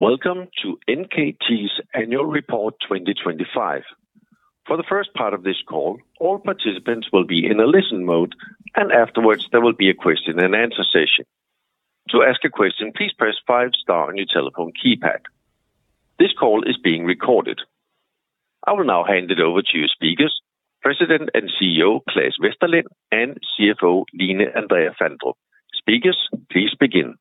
Welcome to NKT's Annual Report 2025. For the first part of this call, all participants will be in a listen mode, and afterwards, there will be a question and answer session. To ask a question, please press five star on your telephone keypad. This call is being recorded. I will now hand it over to your speakers, President and CEO, Claes Westerlind, and CFO, Line Andrea Fandrup. Speakers, please begin.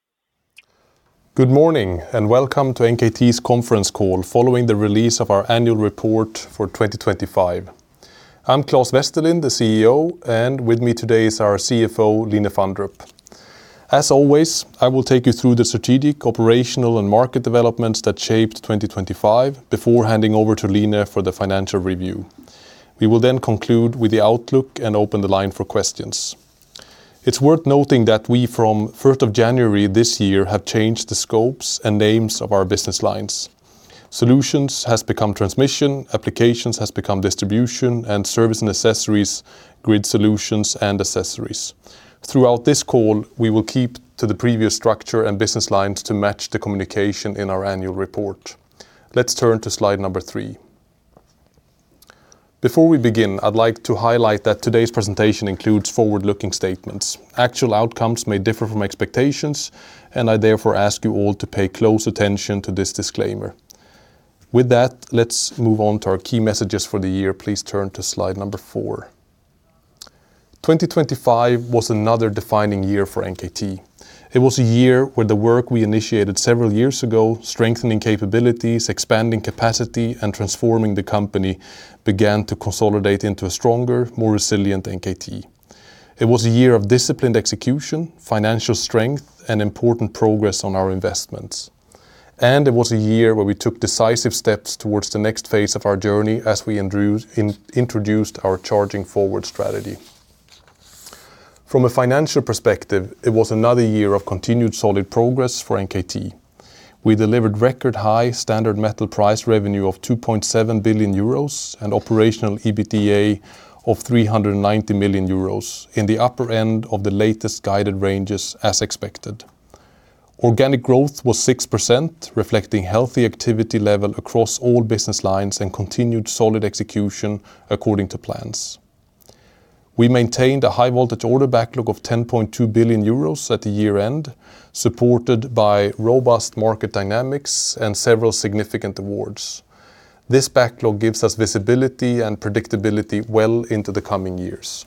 Good morning. Welcome to NKT's conference call following the release of our annual report for 2025. I'm Claes Westerlind, the CEO, and with me today is our CFO, Line Fandrup. As always, I will take you through the strategic, operational, and market developments that shaped 2025 before handing over to Line for the financial review. We will conclude with the outlook and open the line for questions. It's worth noting that we, from 1st of January this year, have changed the scopes and names of our business lines. Solutions has become Transmission, Applications has become Distribution, and Service and Accessories, Grid Solutions and Accessories. Throughout this call, we will keep to the previous structure and business lines to match the communication in our annual report. Let's turn to Slide 3. Before we begin, I'd like to highlight that today's presentation includes forward-looking statements. Actual outcomes may differ from expectations, I therefore ask you all to pay close attention to this disclaimer. With that, let's move on to our key messages for the year. Please turn to Slide 4. 2025 was another defining year for NKT. It was a year where the work we initiated several years ago, strengthening capabilities, expanding capacity, and transforming the company, began to consolidate into a stronger, more resilient NKT. It was a year of disciplined execution, financial strength, and important progress on our investments. It was a year where we took decisive steps towards the next phase of our journey as we introduced our Charging Forward strategy. From a financial perspective, it was another year of continued solid progress for NKT. We delivered record-high standard metal price revenue of 2.7 billion euros and operational EBITDA of 390 million euros in the upper end of the latest guided ranges as expected. Organic growth was 6%, reflecting healthy activity level across all business lines and continued solid execution according to plans. We maintained a high-voltage order backlog of 10.2 billion euros at the year-end, supported by robust market dynamics and several significant awards. This backlog gives us visibility and predictability well into the coming years.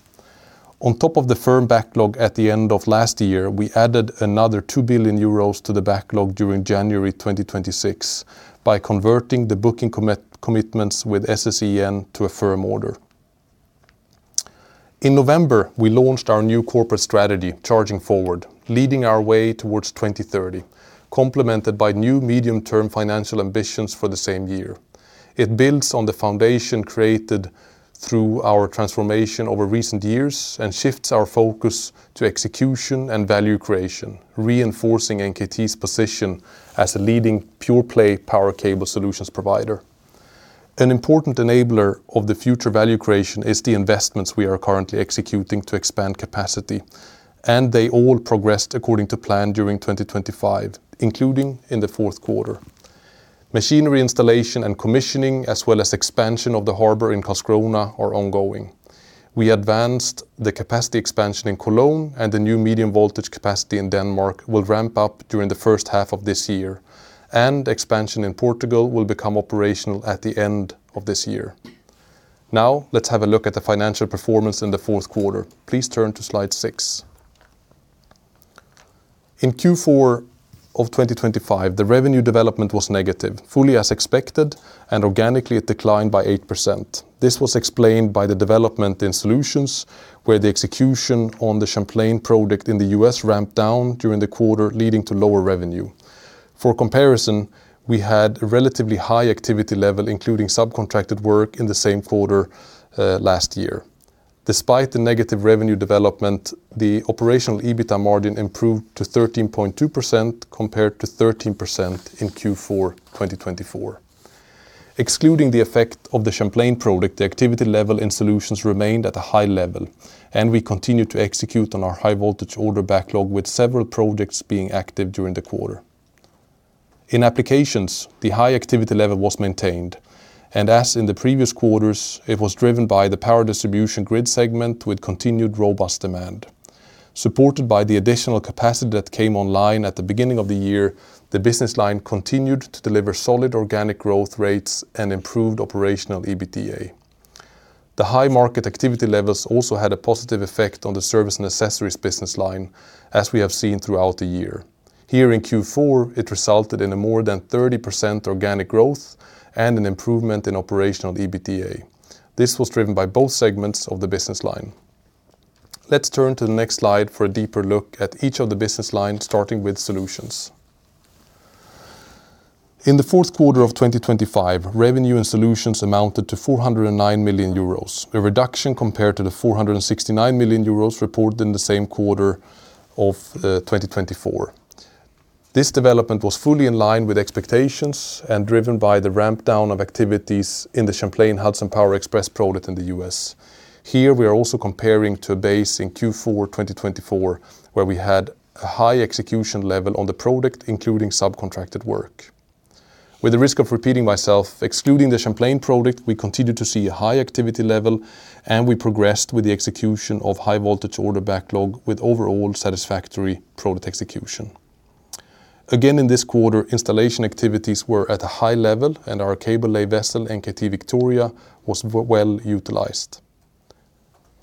On top of the firm backlog at the end of last year, we added another 2 billion euros to the backlog during January 2026 by converting the booking commitments with SSEN to a firm order. In November, we launched our new corporate strategy, Charging Forward, leading our way towards 2030, complemented by new medium-term financial ambitions for the same year. It builds on the foundation created through our transformation over recent years and shifts our focus to execution and value creation, reinforcing NKT's position as a leading pure-play power cable solutions provider. An important enabler of the future value creation is the investments we are currently executing to expand capacity, and they all progressed according to plan during 2025, including in the fourth quarter. Machinery installation and commissioning, as well as expansion of the harbor in Karlskrona, are ongoing. We advanced the capacity expansion in Cologne, and the new medium voltage capacity in Denmark will ramp up during the first half of this year, and expansion in Portugal will become operational at the end of this year. Let's have a look at the financial performance in the fourth quarter. Please turn to Slide 6. In Q4 of 2025, the revenue development was negative, fully as expected, organically, it declined by 8%. This was explained by the development in Solutions, where the execution on the Champlain project in the U.S. ramped down during the quarter, leading to lower revenue. For comparison, we had a relatively high activity level, including subcontracted work in the same quarter last year. Despite the negative revenue development, the operational EBITDA margin improved to 13.2%, compared to 13% in Q4 2024. Excluding the effect of the Champlain project, the activity level in Solutions remained at a high level, we continued to execute on our high-voltage order backlog, with several projects being active during the quarter. In Applications, the high activity level was maintained, and as in the previous quarters, it was driven by the power distribution grid segment with continued robust demand. Supported by the additional capacity that came online at the beginning of the year, the business line continued to deliver solid organic growth rates and improved operational EBITDA. The high market activity levels also had a positive effect on the Service & Accessories business line, as we have seen throughout the year. Here in Q4, it resulted in a more than 30% organic growth and an improvement in operational EBITDA. This was driven by both segments of the business line. Let's turn to the next Slide for a deeper look at each of the business lines, starting with Solutions. In the fourth quarter of 2025, revenue and Solutions amounted to 409 million euros, a reduction compared to the 469 million euros reported in the same quarter of 2024. This development was fully in line with expectations and driven by the ramp down of activities in the Champlain Hudson Power Express project in the U.S. Here, we are also comparing to a base in Q4 2024, where we had a high execution level on the product, including subcontracted work. With the risk of repeating myself, excluding the Champlain project, we continued to see a high activity level, and we progressed with the execution of high-voltage order backlog with overall satisfactory product execution. Again, in this quarter, installation activities were at a high level, and our cable-lay vessel, NKT Victoria, was well utilized.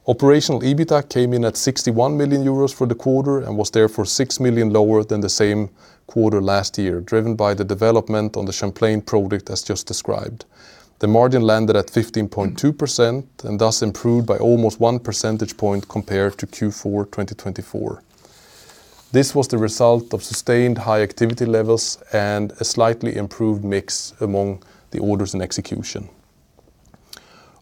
Operational EBITDA came in at 61 million euros for the quarter and was therefore 6 million lower than the same quarter last year, driven by the development on the Champlain project, as just described. The margin landed at 15.2% and thus improved by almost 1 percentage point compared to Q4 2024. This was the result of sustained high activity levels and a slightly improved mix among the orders and execution.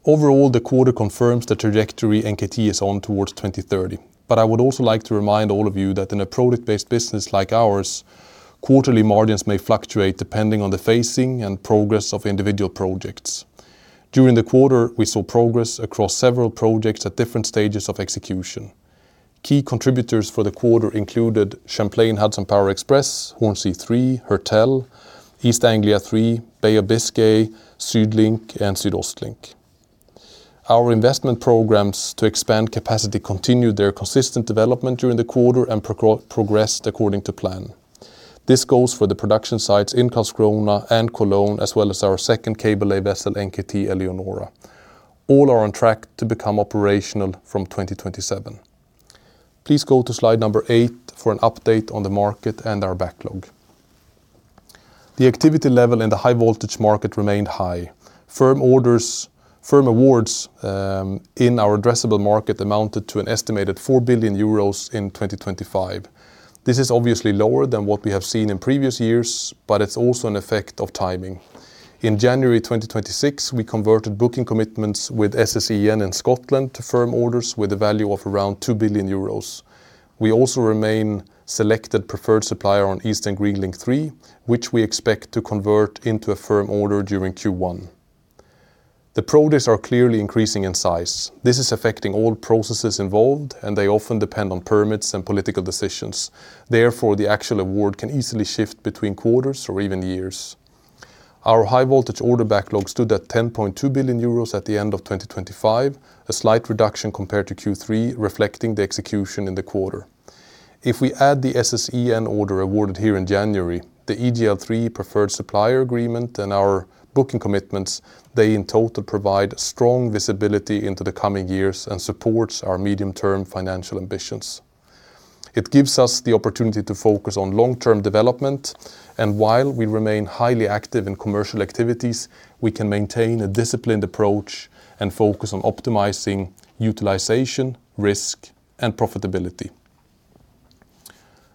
Overall, the quarter confirms the trajectory NKT is on towards 2030, I would also like to remind all of you that in a product-based business like ours, quarterly margins may fluctuate depending on the phasing and progress of individual projects. During the quarter, we saw progress across several projects at different stages of execution. Key contributors for the quarter included Champlain Hudson Power Express, Hornsea 3, Hertel, East Anglia THREE, Bay of Biscay, SuedLink, and SuedOstLink. Our investment programs to expand capacity continued their consistent development during the quarter and progressed according to plan. This goes for the production sites in Karlskrona and Cologne, as well as our second cable-lay vessel, NKT Eleonora. All are on track to become operational from 2027. Please go to Slide 8 for an update on the market and our backlog. The activity level in the high-voltage market remained high. Firm awards in our addressable market amounted to an estimated 4 billion euros in 2025. This is obviously lower than what we have seen in previous years, it's also an effect of timing. In January 2026, we converted booking commitments with SSEN in Scotland to firm orders with a value of around 2 billion euros. We also remain selected preferred supplier on Eastern Green Link 3, which we expect to convert into a firm order during Q1. The projects are clearly increasing in size. This is affecting all processes involved, and they often depend on permits and political decisions. Therefore, the actual award can easily shift between quarters or even years. Our high-voltage order backlog stood at 10.2 billion euros at the end of 2025, a slight reduction compared to Q3, reflecting the execution in the quarter. If we add the SSEN order awarded here in January, the EGL3 preferred supplier agreement and our booking commitments, they in total provide strong visibility into the coming years and supports our medium-term financial ambitions. It gives us the opportunity to focus on long-term development, and while we remain highly active in commercial activities, we can maintain a disciplined approach and focus on optimizing utilization, risk, and profitability.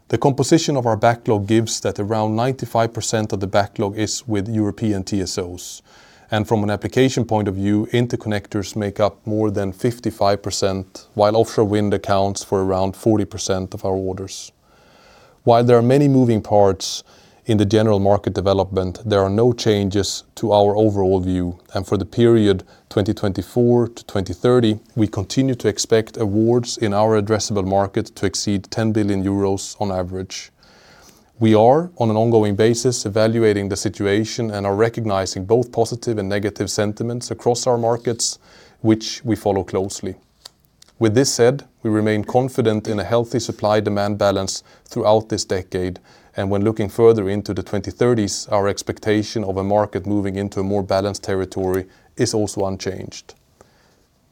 The composition of our backlog gives that around 95% of the backlog is with European TSOs, and from an application point of view, interconnectors make up more than 55%, while offshore wind accounts for around 40% of our orders. While there are many moving parts in the general market development, there are no changes to our overall view, and for the period 2024 to 2030, we continue to expect awards in our addressable market to exceed 10 billion euros on average. We are, on an ongoing basis, evaluating the situation and are recognizing both positive and negative sentiments across our markets, which we follow closely. With this said, we remain confident in a healthy supply-demand balance throughout this decade, and when looking further into the 2030s, our expectation of a market moving into a more balanced territory is also unchanged.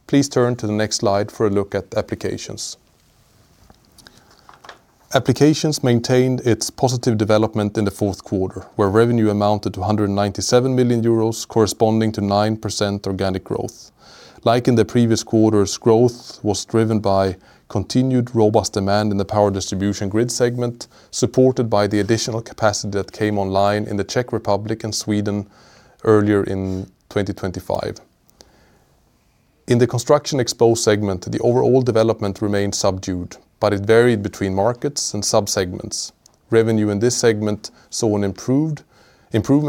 Please turn to the next Slide for a look at Applications. Applications maintained its positive development in the fourth quarter, where revenue amounted to 197 million euros, corresponding to 9% organic growth. Like in the previous quarters, growth was driven by continued robust demand in the power distribution grid segment, supported by the additional capacity that came online in the Czech Republic and Sweden earlier in 2025. In the construction exposed segment, the overall development remained subdued, but it varied between markets and subsegments. Revenue in this segment saw an improvement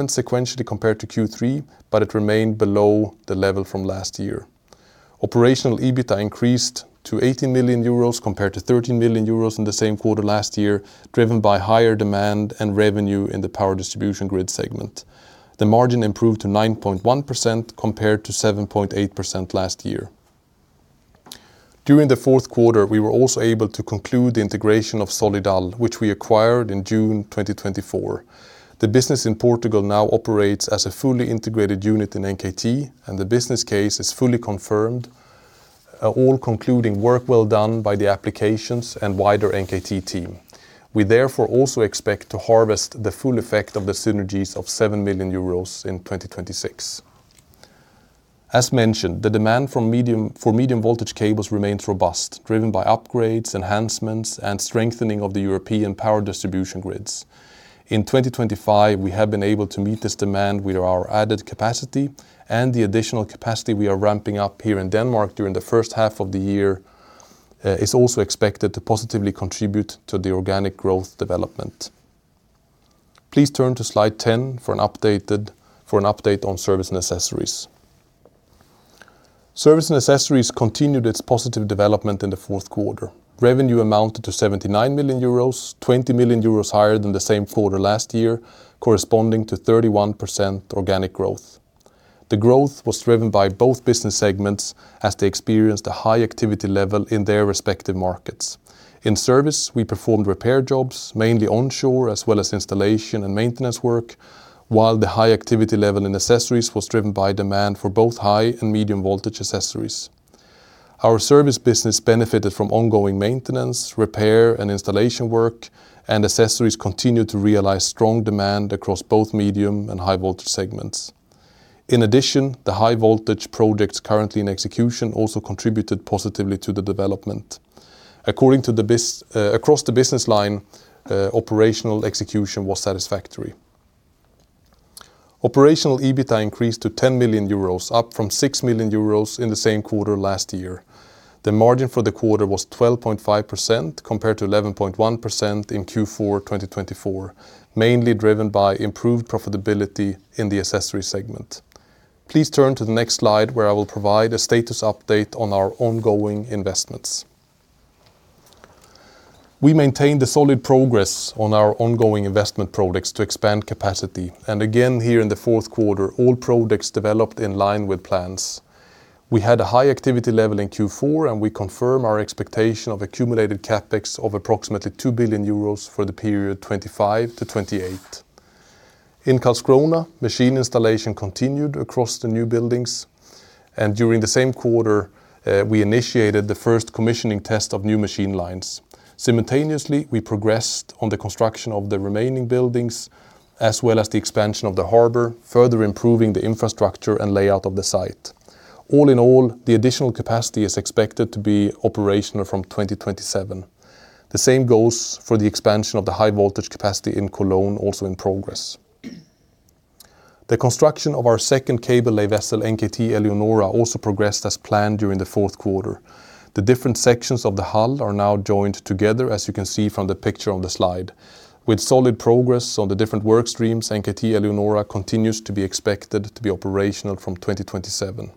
sequentially compared to Q3, but it remained below the level from last year. Operational EBITDA increased to 18 million euros, compared to 13 million euros in the same quarter last year, driven by higher demand and revenue in the power distribution grid segment. The margin improved to 9.1%, compared to 7.8% last year. During the fourth quarter, we were also able to conclude the integration of SolidAl, which we acquired in June 2024. The business in Portugal now operates as a fully integrated unit in NKT, and the business case is fully confirmed, all concluding work well done by the Applications and wider NKT team. We therefore also expect to harvest the full effect of the synergies of 7 million euros in 2026. As mentioned, the demand for medium-voltage cables remains robust, driven by upgrades, enhancements, and strengthening of the European power distribution grids. In 2025, we have been able to meet this demand with our added capacity, and the additional capacity we are ramping up here in Denmark during the first half of the year is also expected to positively contribute to the organic growth development. Please turn to Slide 10 for an update on Service and Accessories. Service and Accessories continued its positive development in the fourth quarter. Revenue amounted to 79 million euros, 20 million euros higher than the same quarter last year, corresponding to 31% organic growth. The growth was driven by both business segments as they experienced a high activity level in their respective markets. In service, we performed repair jobs, mainly onshore, as well as installation and maintenance work, while the high activity level in accessories was driven by demand for both high and medium voltage accessories. Our service business benefited from ongoing maintenance, repair, and installation work, and accessories continued to realize strong demand across both medium and high voltage segments. In addition, the high voltage projects currently in execution also contributed positively to the development. According to the across the business line, operational execution was satisfactory. Operational EBITDA increased to 10 million euros, up from 6 million euros in the same quarter last year. The margin for the quarter was 12.5%, compared to 11.1% in Q4 2024, mainly driven by improved profitability in the accessories segment. Please turn to the next Slide, where I will provide a status update on our ongoing investments. We maintained a solid progress on our ongoing investment products to expand capacity, and again, here in the fourth quarter, all products developed in line with plans. We had a high activity level in Q4. We confirm our expectation of accumulated CapEx of approximately 2 billion euros for the period 2025-2028. In Karlskrona, machine installation continued across the new buildings. During the same quarter, we initiated the first commissioning test of new machine lines. Simultaneously, we progressed on the construction of the remaining buildings, as well as the expansion of the harbor, further improving the infrastructure and layout of the site. All in all, the additional capacity is expected to be operational from 2027. The same goes for the expansion of the high voltage capacity in Cologne, also in progress. The construction of our second cable-lay vessel, NKT Eleonora, also progressed as planned during the fourth quarter. The different sections of the hull are now joined together, as you can see from the picture on the Slide. With solid progress on the different work streams, NKT Eleonora continues to be expected to be operational from 2027.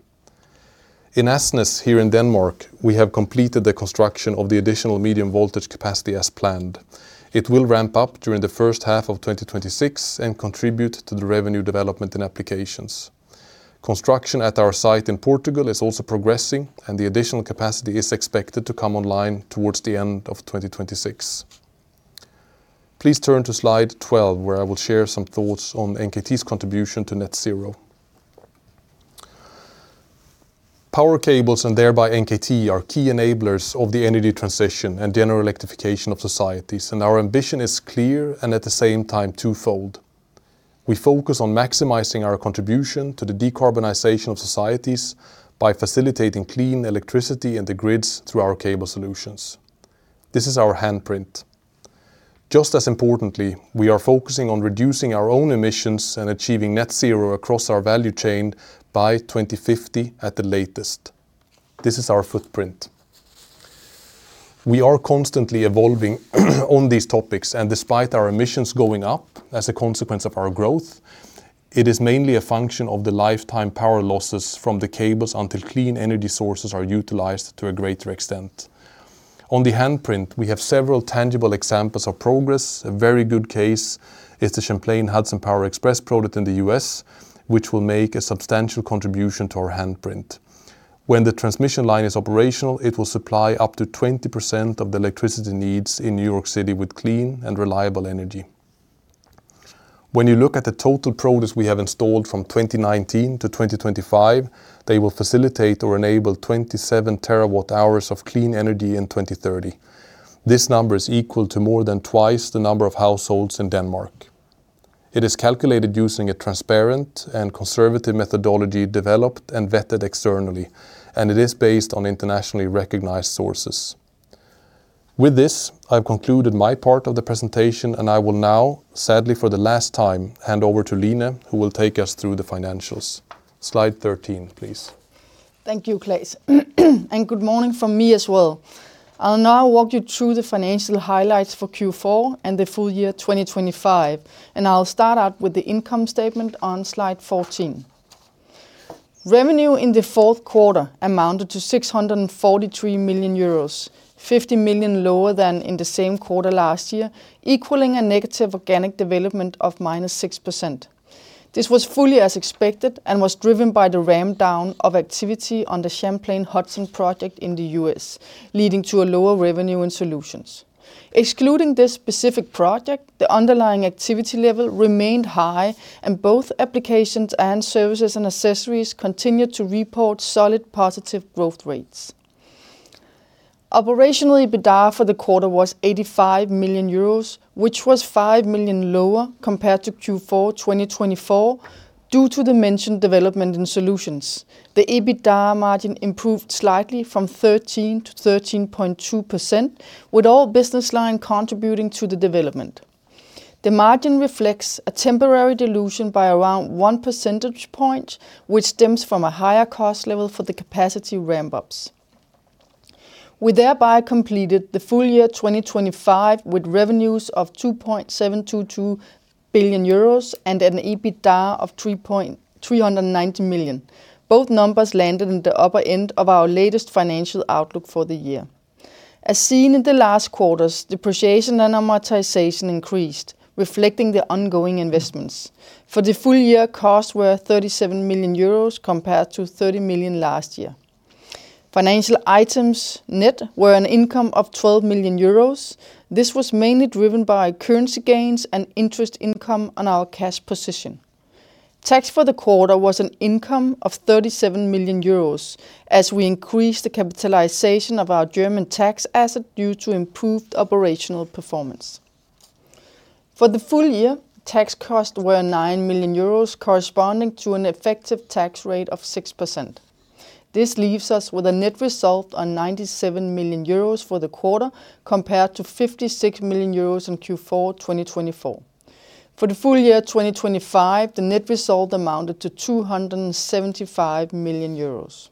In Asnæs, here in Denmark, we have completed the construction of the additional medium voltage capacity as planned. It will ramp up during the first half of 2026 and contribute to the revenue development and Applications. Construction at our site in Portugal is also progressing, and the additional capacity is expected to come online towards the end of 2026. Please turn to Slide 12, where I will share some thoughts on NKT's contribution to Net Zero. Power cables, thereby NKT, are key enablers of the energy transition and general electrification of societies, our ambition is clear, and at the same time, twofold. We focus on maximizing our contribution to the decarbonization of societies by facilitating clean electricity and the grids through our cable solutions. This is our handprint. Just as importantly, we are focusing on reducing our own emissions and achieving Net Zero across our value chain by 2050 at the latest. This is our footprint. We are constantly evolving on these topics, and despite our emissions going up as a consequence of our growth, it is mainly a function of the lifetime power losses from the cables until clean energy sources are utilized to a greater extent. On the handprint, we have several tangible examples of progress. A very good case is the Champlain Hudson Power Express product in the U.S., which will make a substantial contribution to our handprint. When the transmission line is operational, it will supply up to 20% of the electricity needs in New York City with clean and reliable energy. When you look at the total products we have installed from 2019 to 2025, they will facilitate or enable 27 terawatt hours of clean energy in 2030. This number is equal to more than twice the number of households in Denmark. It is calculated using a transparent and conservative methodology developed and vetted externally, and it is based on internationally recognized sources. With this, I've concluded my part of the presentation, and I will now, sadly, for the last time, hand over to Line, who will take us through the financials. Slide 13, please. Thank you, Claes. Good morning from me as well. I'll now walk you through the financial highlights for Q4 and the full year 2025, and I'll start out with the income statement on Slide 14. Revenue in the fourth quarter amounted to 643 million euros, 50 million lower than in the same quarter last year, equaling a negative organic development of -6%. This was fully as expected and was driven by the ramp down of activity on the Champlain Hudson project in the U.S., leading to a lower revenue in Solutions. Excluding this specific project, the underlying activity level remained high, and both Applications and Services and Accessories continued to report solid positive growth rates. Operationally, EBITDA for the quarter was 85 million euros, which was 5 million lower compared to Q4 2024, due to the mentioned development and Solutions. The EBITDA margin improved slightly from 13% to 13.2%, with all business line contributing to the development. The margin reflects a temporary dilution by around one percentage point, which stems from a higher cost level for the capacity ramp-ups. We thereby completed the full year 2025 with revenues of 2.722 billion euros and an EBITDA of 3.390 million. Both numbers landed in the upper end of our latest financial outlook for the year. As seen in the last quarters, depreciation and amortization increased, reflecting the ongoing investments. For the full year, costs were 37 million euros compared to 30 million last year. Financial items net were an income of 12 million euros. This was mainly driven by currency gains and interest income on our cash position. Tax for the quarter was an income of 37 million euros, as we increased the capitalization of our German tax asset due to improved operational performance. For the full year, tax costs were 9 million euros, corresponding to an effective tax rate of 6%. This leaves us with a net result on 97 million euros for the quarter, compared to 56 million euros in Q4 2024. For the full year 2025, the net result amounted to 275 million euros.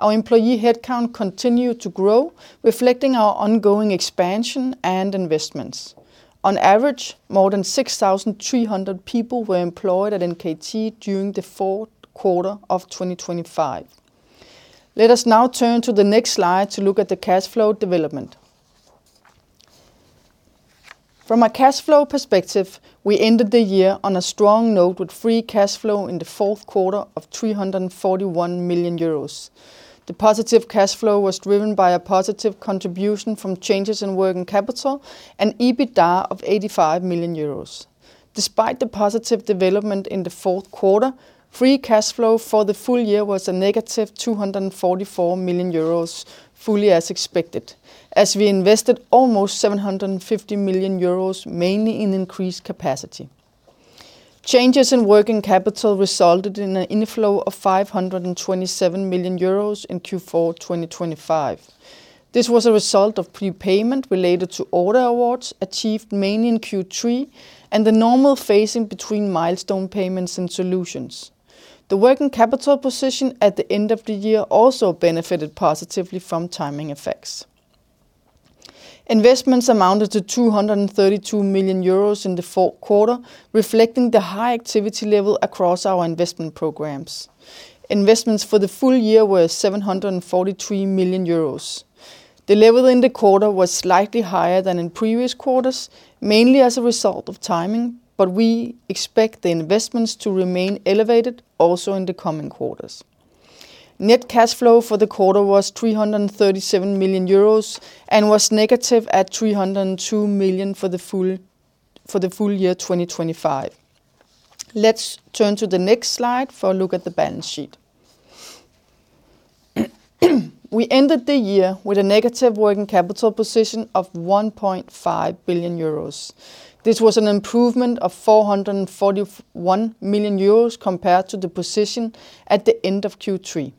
Our employee headcount continued to grow, reflecting our ongoing expansion and investments. On average, more than 6,300 people were employed at NKT during the fourth quarter of 2025. Let us now turn to the next Slide to look at the cash flow development. From a cash flow perspective, we ended the year on a strong note, with free cash flow in the fourth quarter of 341 million euros. The positive cash flow was driven by a positive contribution from changes in working capital and EBITDA of 85 million euros. Despite the positive development in the fourth quarter, free cash flow for the full year was a negative 244 million euros, fully as expected, as we invested almost 750 million euros, mainly in increased capacity. Changes in working capital resulted in an inflow of 527 million euros in Q4, 2025. This was a result of prepayment related to order awards achieved mainly in Q3, and the normal phasing between milestone payments and Solutions. The working capital position at the end of the year also benefited positively from timing effects. Investments amounted to 232 million euros in the fourth quarter, reflecting the high activity level across our investment programs. Investments for the full year were 743 million euros. The level in the quarter was slightly higher than in previous quarters, mainly as a result of timing, but we expect the investments to remain elevated also in the coming quarters. Net cash flow for the quarter was 337 million euros and was negative at 302 million for the full year, 2025. Let's turn to the next Slide for a look at the balance sheet. We ended the year with a negative working capital position of 1.5 billion euros. This was an improvement of 441 million euros compared to the position at the end of Q3.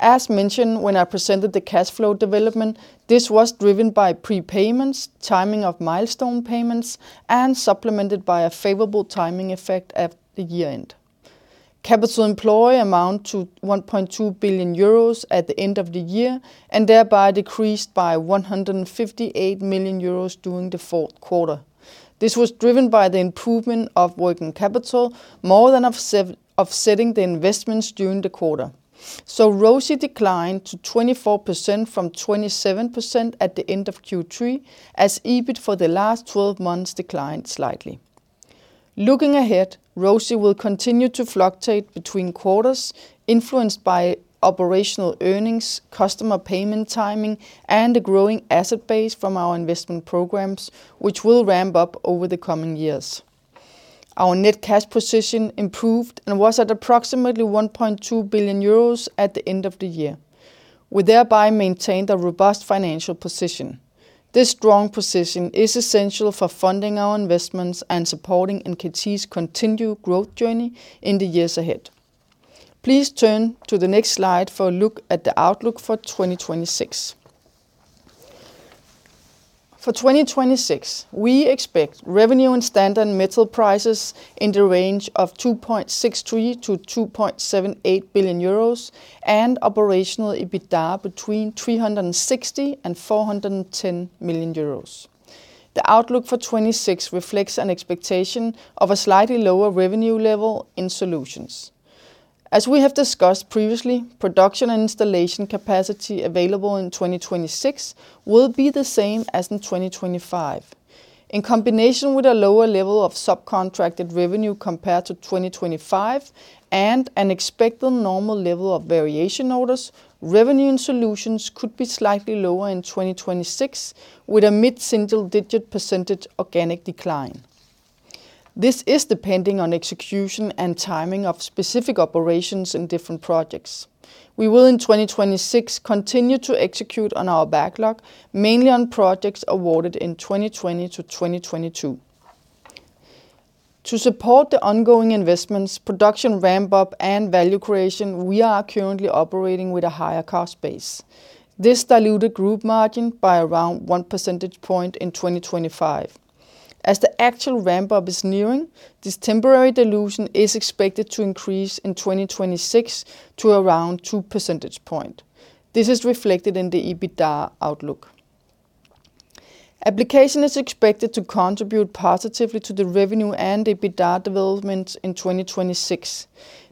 As mentioned, when I presented the cash flow development, this was driven by prepayments, timing of milestone payments, and supplemented by a favorable timing effect at the year-end. Capital employee amount to 1.2 billion euros at the end of the year, and thereby decreased by 158 million euros during the fourth quarter. This was driven by the improvement of working capital, more than offsetting the investments during the quarter. ROCE declined to 24% from 27% at the end of Q3, as EBIT for the last 12 months declined slightly. Looking ahead, ROCE will continue to fluctuate between quarters, influenced by operational earnings, customer payment timing, and a growing asset base from our investment programs, which will ramp up over the coming years. Our net cash position improved and was at approximately 1.2 billion euros at the end of the year. We thereby maintained a robust financial position. This strong position is essential for funding our investments and supporting NKT's continued growth journey in the years ahead. Please turn to the next Slide for a look at the outlook for 2026. For 2026, we expect revenue and standard metal prices in the range of 2.63 billion-2.78 billion euros and operational EBITDA between 360 million-410 million euros. The outlook for 2026 reflects an expectation of a slightly lower revenue level in Solutions. As we have discussed previously, production and installation capacity available in 2026 will be the same as in 2025. In combination with a lower level of subcontracted revenue compared to 2025 and an expected normal level of VOs, revenue and Solutions could be slightly lower in 2026, with a mid-single-digit % organic decline. This is depending on execution and timing of specific operations in different projects. We will, in 2026, continue to execute on our backlog, mainly on projects awarded in 2020-2022. To support the ongoing investments, production ramp-up, and value creation, we are currently operating with a higher cost base. This diluted group margin by around 1 percentage point in 2025. As the actual ramp-up is nearing, this temporary dilution is expected to increase in 2026 to around 2 percentage point. This is reflected in the EBITDA outlook. Applications is expected to contribute positively to the revenue and EBITDA development in 2026.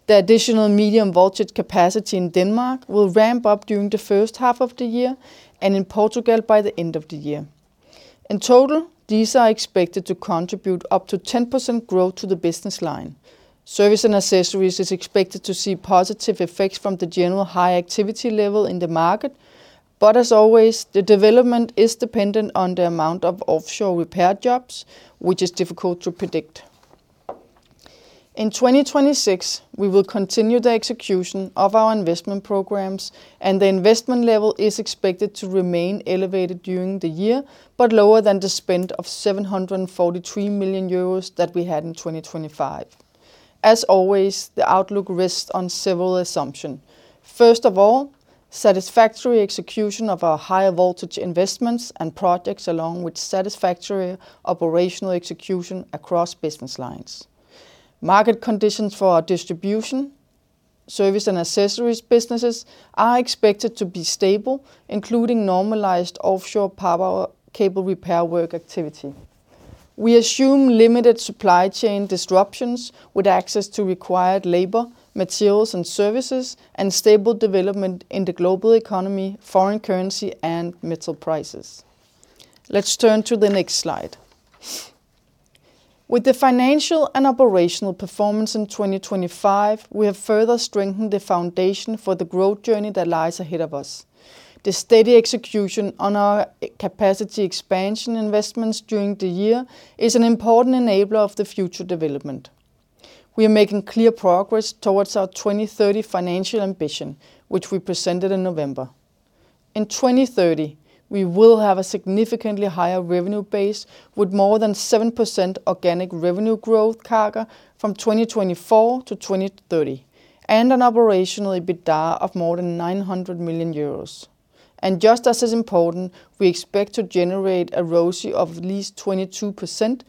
The additional medium voltage capacity in Denmark will ramp up during the first half of the year, and in Portugal by the end of the year. In total, these are expected to contribute up to 10% growth to the business line. Service & Accessories is expected to see positive effects from the general high activity level in the market, but as always, the development is dependent on the amount of offshore repair jobs, which is difficult to predict. In 2026, we will continue the execution of our investment programs, and the investment level is expected to remain elevated during the year, but lower than the spend of 743 million euros that we had in 2025. As always, the outlook rests on several assumptions. First of all, satisfactory execution of our higher voltage investments and projects, along with satisfactory operational execution across business lines. Market conditions for our Distribution, Service and Accessories businesses are expected to be stable, including normalized offshore power cable repair work activity. We assume limited supply chain disruptions with access to required labor, materials, and services, and stable development in the global economy, foreign currency, and metal prices. Let's turn to the next Slide. With the financial and operational performance in 2025, we have further strengthened the foundation for the growth journey that lies ahead of us. The steady execution on our capacity expansion investments during the year is an important enabler of the future development. We are making clear progress towards our 2030 financial ambition, which we presented in November. In 2030, we will have a significantly higher revenue base, with more than 7% organic revenue growth CAGR from 2024 to 2030, and an operational EBITDA of more than 900 million euros. Just as is important, we expect to generate a ROCE of at least 22%,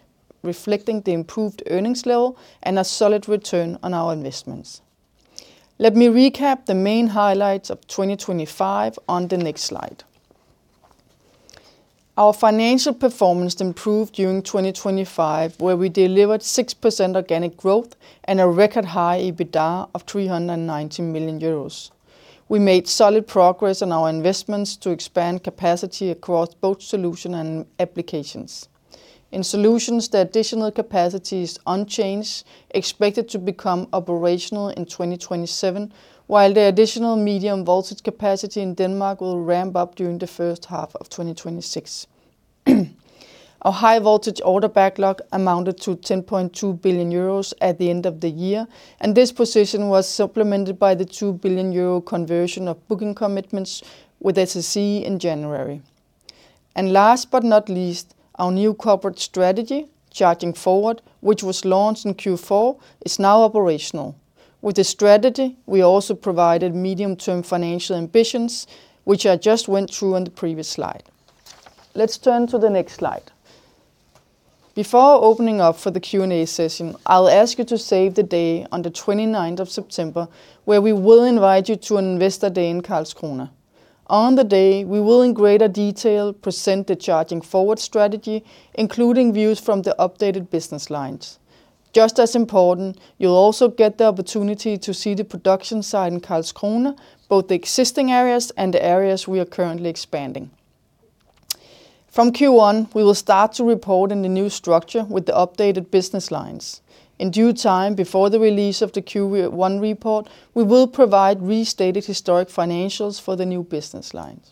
reflecting the improved earnings level and a solid return on our investments. Let me recap the main highlights of 2025 on the next Slide. Our financial performance improved during 2025, where we delivered 6% organic growth and a record high EBITDA of 390 million euros. We made solid progress on our investments to expand capacity across both Solutions and Applications. In Solutions, the additional capacity is unchanged, expected to become operational in 2027, while the additional medium voltage capacity in Denmark will ramp up during the first half of 2026. Our high voltage order backlog amounted to 10.2 billion euros at the end of the year, and this position was supplemented by the 2 billion euro conversion of booking commitments with SSE in January. Last but not least, our new corporate strategy, Charging Forward, which was launched in Q4, is now operational. With this strategy, we also provided medium-term financial ambitions, which I just went through on the previous Slide. Let's turn to the next Slide. Before opening up for the Q&A session, I'll ask you to save the day on the 29th of September, where we will invite you to an Investor Day in Karlskrona. On the day, we will, in greater detail, present the Charging Forward strategy, including views from the updated business lines. As important, you'll also get the opportunity to see the production site in Karlskrona, both the existing areas and the areas we are currently expanding. From Q1, we will start to report in the new structure with the updated business lines. In due time, before the release of the Q1 report, we will provide restated historic financials for the new business lines.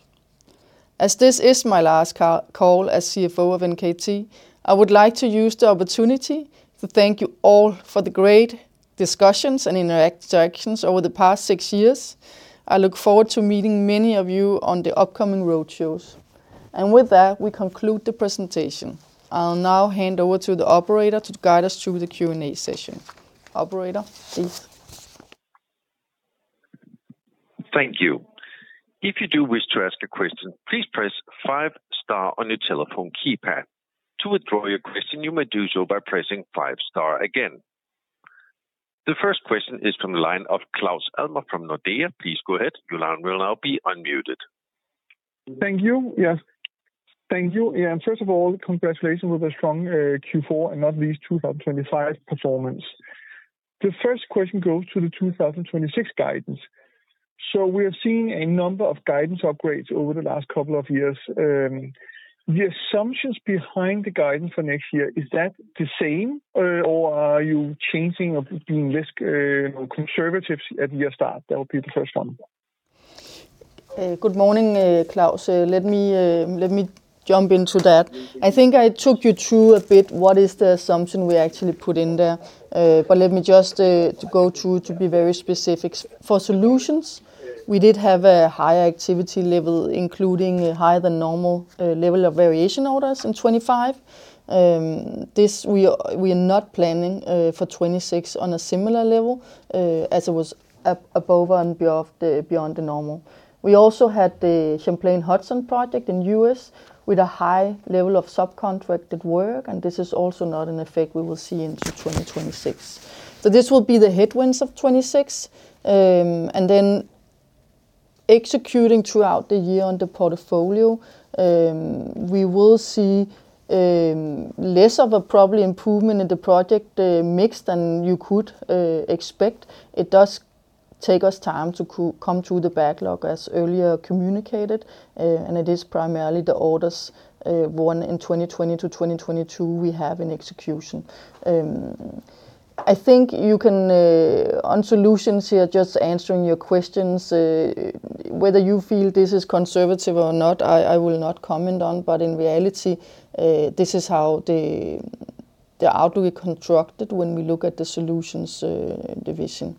As this is my last call as CFO of NKT, I would like to use the opportunity to thank you all for the great discussions and interactions over the past six years. I look forward to meeting many of you on the upcoming road shows. With that, we conclude the presentation. I'll now hand over to the operator to guide us through the Q&A session. Operator, please. Thank you. If you do wish to ask a question, please press 5 star on your telephone keypad. To withdraw your question, you may do so by pressing 5 star again. The first question is from the line of Claus Almer from Nordea. Please go ahead. Your line will now be unmuted. Thank you. Yes. Thank you. First of all, congratulations on the strong Q4, and not least 2025 performance. The first question goes to the 2026 guidance. We have seen a number of guidance upgrades over the last couple of years. The assumptions behind the guidance for next year, is that the same, or are you changing or being less conservatives at year start? That will be the first one. Good morning, Claus. Let me jump into that. I think I took you through a bit what is the assumption we actually put in there. Let me just be very specific. For Solutions, we did have a higher activity level, including higher than normal level of Variation Orders in 25. This we are not planning for 26 on a similar level as it was above and beyond the normal. We also had the Champlain Hudson Power Express in U.S., with a high level of subcontracted work, this is also not an effect we will see into 2026. This will be the headwinds of 26. executing throughout the year on the portfolio, we will see less of a probably improvement in the project mix than you could expect. It does take us time to come through the backlog as earlier communicated. It is primarily the orders won in 2020 to 2022 we have in execution. I think you can on Solutions here, just answering your questions, whether you feel this is conservative or not, I will not comment on, but in reality, this is how the outlook we constructed when we look at the Solutions division.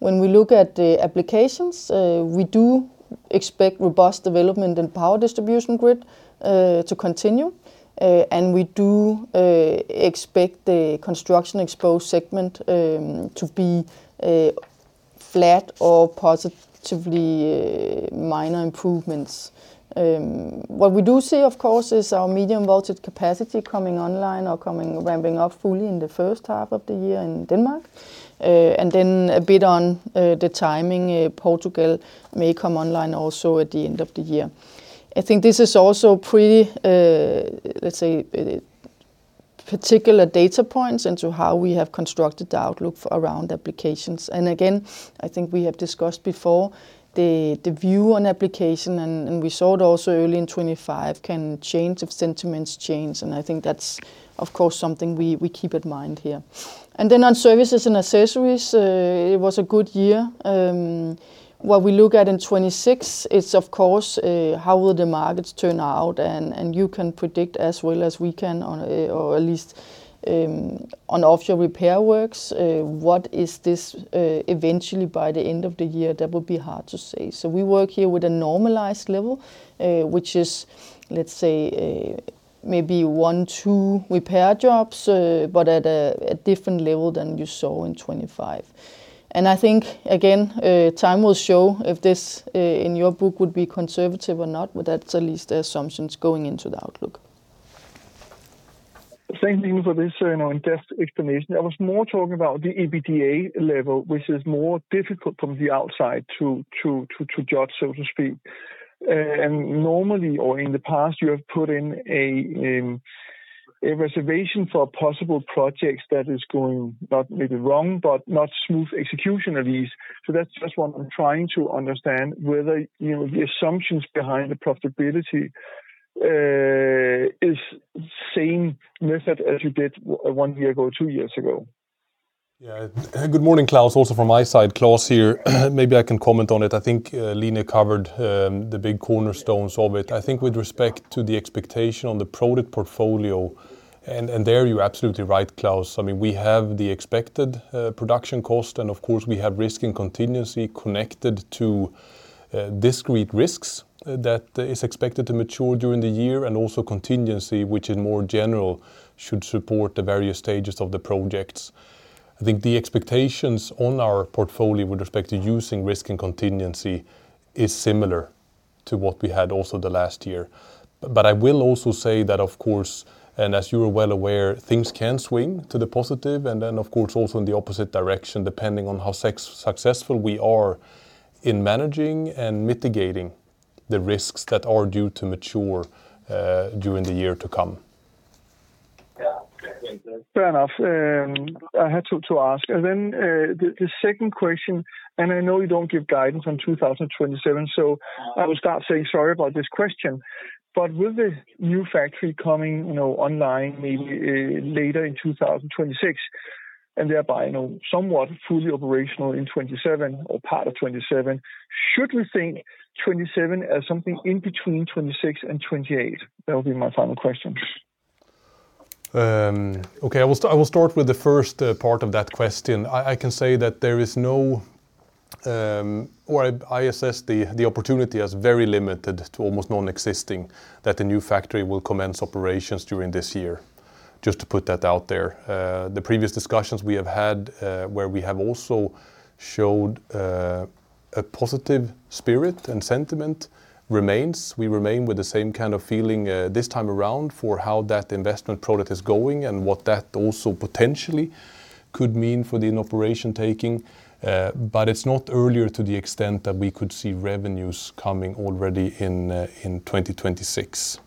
When we look at the Applications, we do expect robust development and power distribution grid to continue. We do expect the construction exposed segment to be flat or positively minor improvements. What we do see, of course, is our medium voltage capacity ramping up fully in the first half of the year in Denmark. Then a bit on the timing, Portugal may come online also at the end of the year. I think this is also pretty, let's say, particular data points into how we have constructed the outlook around Applications. Again, I think we have discussed before the view on Applications, and we saw it also early in 2025, can change if sentiments change. I think that's, of course, something we keep in mind here. Then on Service & Accessories, it was a good year. What we look at in 2026 is, of course, how will the markets turn out, and you can predict as well as we can on, or at least, on offshore repair works, what is this, eventually by the end of the year, that will be hard to say. We work here with a normalized level, which is, let's say, maybe one, two repair jobs, but at a different level than you saw in 2025. I think, again, time will show if this, in your book, would be conservative or not, but that's at least the assumptions going into the outlook. Thank you for this, you know, and just explanation. I was more talking about the EBITDA level, which is more difficult from the outside to judge, so to speak. Normally, or in the past, you have put in a reservation for possible projects that is going not maybe wrong, but not smooth execution at least. That's what I'm trying to understand, whether, you know, the assumptions behind the profitability is same method as you did one year ago, two years ago. Yeah. Good morning, Claus, also from my side, Claes here. Maybe I can comment on it. I think Line covered the big cornerstones of it. I think with respect to the expectation on the product portfolio, and there you're absolutely right, Claus. I mean, we have the expected production cost, and of course, we have risk and contingency connected to discrete risks that is expected to mature during the year, and also contingency, which in more general, should support the various stages of the projects. I think the expectations on our portfolio with respect to using risk and contingency is similar to what we had also the last year. I will also say that, of course, and as you are well aware, things can swing to the positive, and then, of course, also in the opposite direction, depending on how successful we are in managing and mitigating the risks that are due to mature during the year to come. Yeah. Fair enough. I had to ask. The second question, I know you don't give guidance on 2027, so I will start saying sorry about this question. With the new factory coming, you know, online, maybe, later in 2026, and thereby, you know, somewhat fully operational in 27 or part of 27, should we think 27 as something in between 26 and 28? That would be my final question. Okay. I will start with the first part of that question. I can say that there is no. Or I assess the opportunity as very limited to almost non-existing, that the new factory will commence operations during this year. Just to put that out there. The previous discussions we have had, where we have also showed a positive spirit and sentiment remains. We remain with the same kind of feeling this time around for how that investment product is going and what that also potentially could mean for the operation taking, but it's not earlier to the extent that we could see revenues coming already in 2026.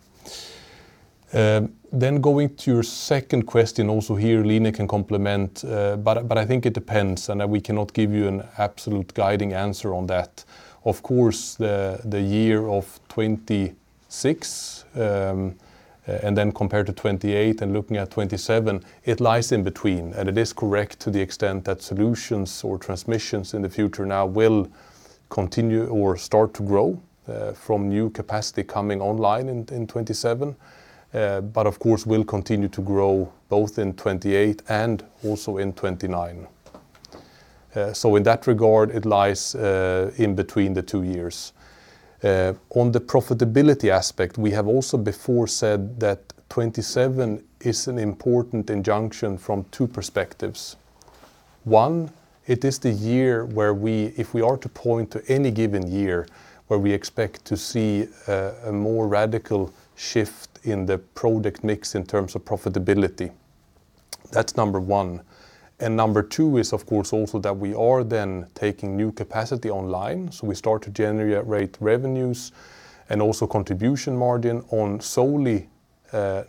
Going to your second question, also here, Line can complement, but I think it depends, and we cannot give you an absolute guiding answer on that. Of course, the year of 2026, and compared to 2028 and looking at 2027, it lies in between, and it is correct to the extent that Solutions or Transmission in the future now will continue or start to grow from new capacity coming online in 2027. Of course, will continue to grow both in 2028 and also in 2029. In that regard, it lies in between the two years. On the profitability aspect, we have also before said that 2027 is an important injunction from two perspectives. One, it is the year where we expect to see a more radical shift in the product mix in terms of profitability. That's number 1. Number 2 is, of course, also that we are then taking new capacity online, so we start to generate revenues and also contribution margin on solely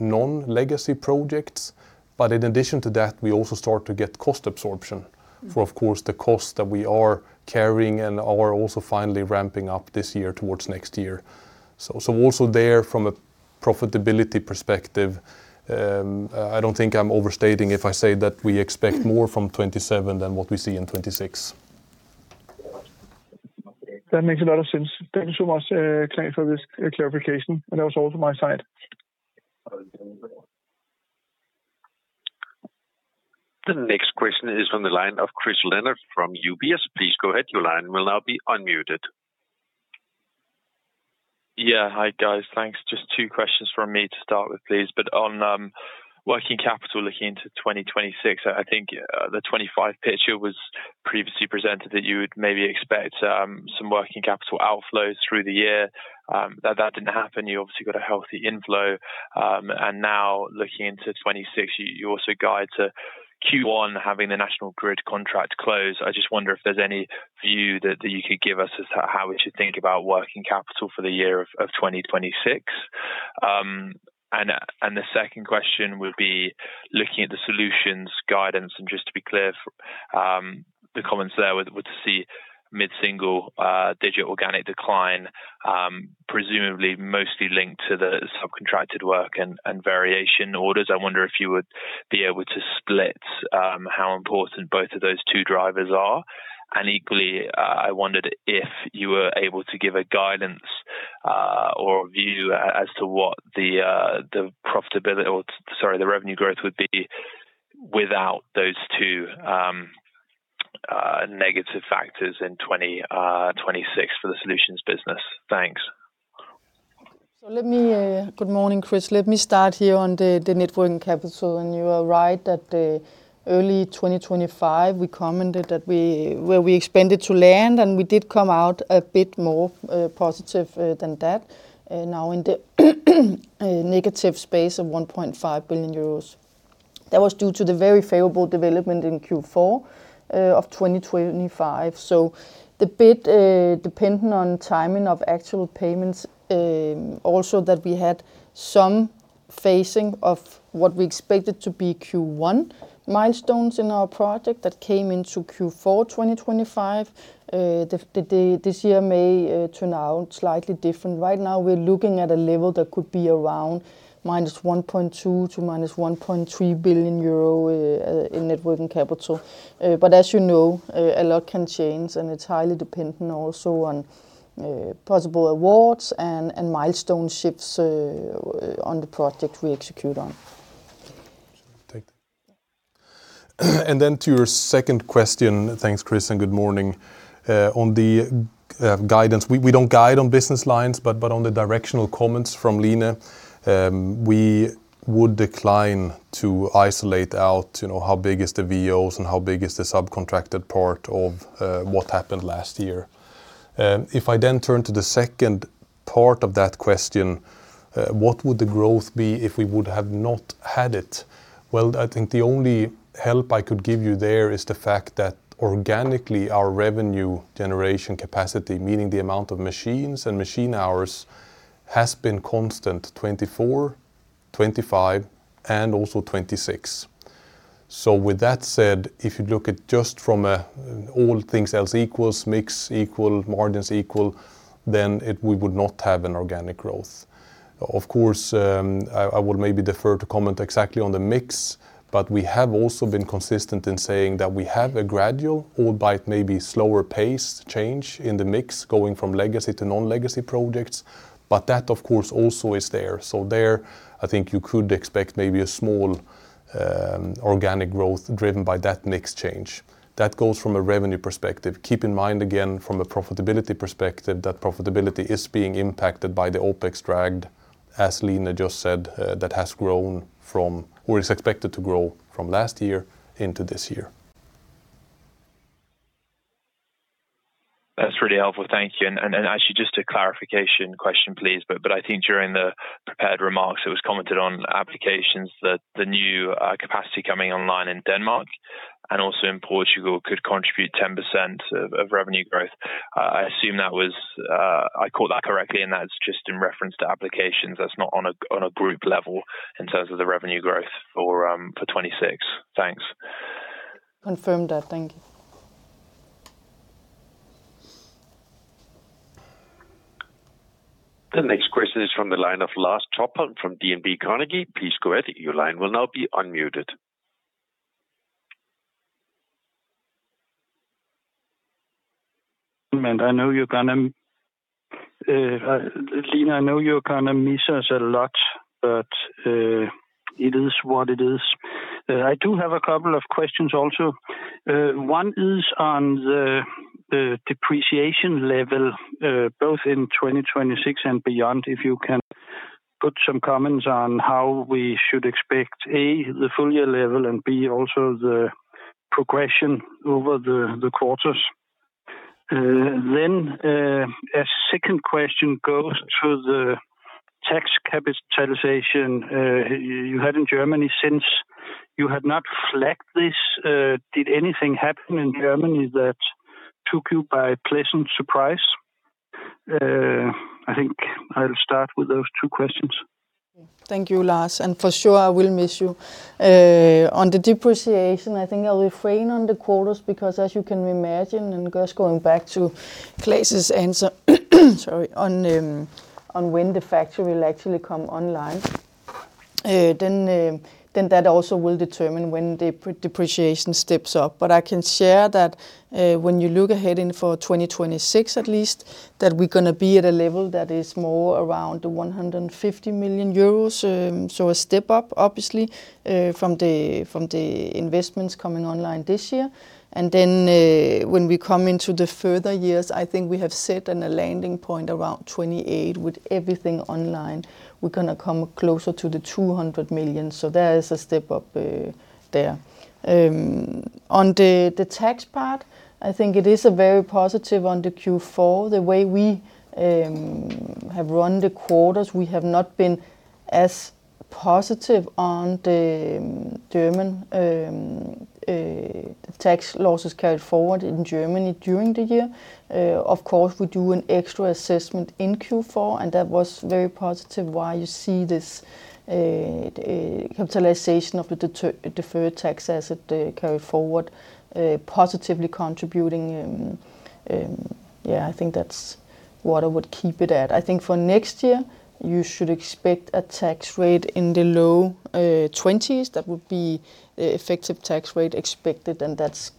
non-legacy projects. In addition to that, we also start to get cost absorption for, of course, the cost that we are carrying and are also finally ramping up this year towards next year. Also there, from a profitability perspective, I don't think I'm overstating if I say that we expect more from 2027 than what we see in 2026. That makes a lot of sense. Thank you so much, Claes, for this clarification. That was all to my side. The next question is from the line of Christopher Leonard from UBS. Please go ahead. Your line will now be unmuted. Hi, guys. Thanks. Just two questions from me to start with, please, but on working capital, looking into 2026, I think the 25 picture was previously presented, that you would maybe expect some working capital outflows through the year. That didn't happen. You obviously got a healthy inflow. Looking into 2060, you also guide to Q1, having the National Grid contract close. I just wonder if there's any view that you could give us as to how we should think about working capital for the year of 2026. The second question would be looking at the Solutions guidance, and just to be clear, the comments there with the mid-single-digit organic decline, presumably mostly linked to the subcontracted work and Variation Orders. I wonder if you would be able to split, how important both of those two drivers are? Equally, I wondered if you were able to give a guidance, or view as to what the profitability, or sorry, the revenue growth would be without those two negative factors in 2026 for the Solutions business. Thanks. Good morning, Chris. Let me start here on the net working capital, and you are right, that early 2025, where we expected to land, and we did come out a bit more positive than that now in the negative space of 1.5 billion euros. That was due to the very favorable development in Q4 of 2025. The bit dependent on timing of actual payments, also that we had some phasing of what we expected to be Q1 milestones in our project that came into Q4 2025. This year may turn out slightly different. Right now, we're looking at a level that could be around -1.2 billion to -1.3 billion euro in net working capital. As you know, a lot can change, and it's highly dependent also on possible awards and milestone shifts on the project we execute on. Take. To your second question, thanks, Chris, and good morning. On the guidance, we don't guide on business lines, but on the directional comments from Line, we would decline to isolate out, you know, how big is the VOs and how big is the subcontracted part of what happened last year. If I then turn to the second part of that question, what would the growth be if we would have not had it? Well, I think the only help I could give you there is the fact that organically, our revenue generation capacity, meaning the amount of machines and machine hours, has been constant 24, 25, and also 26. With that said, if you look at just from a all things else equals, mix equal, margins equal, then we would not have an organic growth. Of course, I would maybe defer to comment exactly on the mix, but we have also been consistent in saying that we have a gradual, albeit maybe slower pace, change in the mix, going from legacy to non-legacy projects. That, of course, also is there. There, I think you could expect maybe a small organic growth driven by that mix change. That goes from a revenue perspective. Keep in mind, again, from a profitability perspective, that profitability is being impacted by the OpEx drag, as Line just said, that has grown from, or is expected to grow from last year into this year. That's pretty helpful. Thank you. Actually, just a clarification question, please, but I think during the prepared remarks, it was commented on Applications that the new capacity coming online in Denmark and also in Portugal could contribute 10% of revenue growth. I assume that was I caught that correctly, and that's just in reference to Applications. That's not on a group level in terms of the revenue growth for 2026. Thanks. Confirm that. Thank you. The next question is from the line of Lars Topholm from DNB Carnegie. Please go ahead. Your line will now be unmuted. I know you're gonna, Line, I know you're gonna miss us a lot, but it is what it is. I do have a couple of questions also. One is on the depreciation level, both in 2026 and beyond, if you can put some comments on how we should expect, A, the full year level, and B, also the progression over the quarters. A second question goes to the tax capitalization you had in Germany. Since you had not flagged this, did anything happen in Germany that took you by pleasant surprise? I think I'll start with those two questions. Thank you, Lars. For sure, I will miss you. On the depreciation, I think I'll refrain on the quarters because as you can imagine, and just going back to Claes' answer, sorry, on when the factory will actually come online, then that also will determine when the depreciation steps up. I can share that when you look ahead in for 2026 at least, that we're gonna be at a level that is more around 150 million euros. A step up, obviously, from the investments coming online this year. When we come into the further years, I think we have set on a landing point around 2028. With everything online, we're gonna come closer to 200 million. There is a step up there. On the tax part, I think it is a very positive on the Q4. The way we have run the quarters, we have not been as positive on the German tax losses carried forward in Germany during the year. Of course, we do an extra assessment in Q4, and that was very positive, why you see this capitalization of the deferred tax asset carried forward positively contributing. I think that's what I would keep it at. I think for next year, you should expect a tax rate in the low 20s. That would be the effective tax rate expected, and that's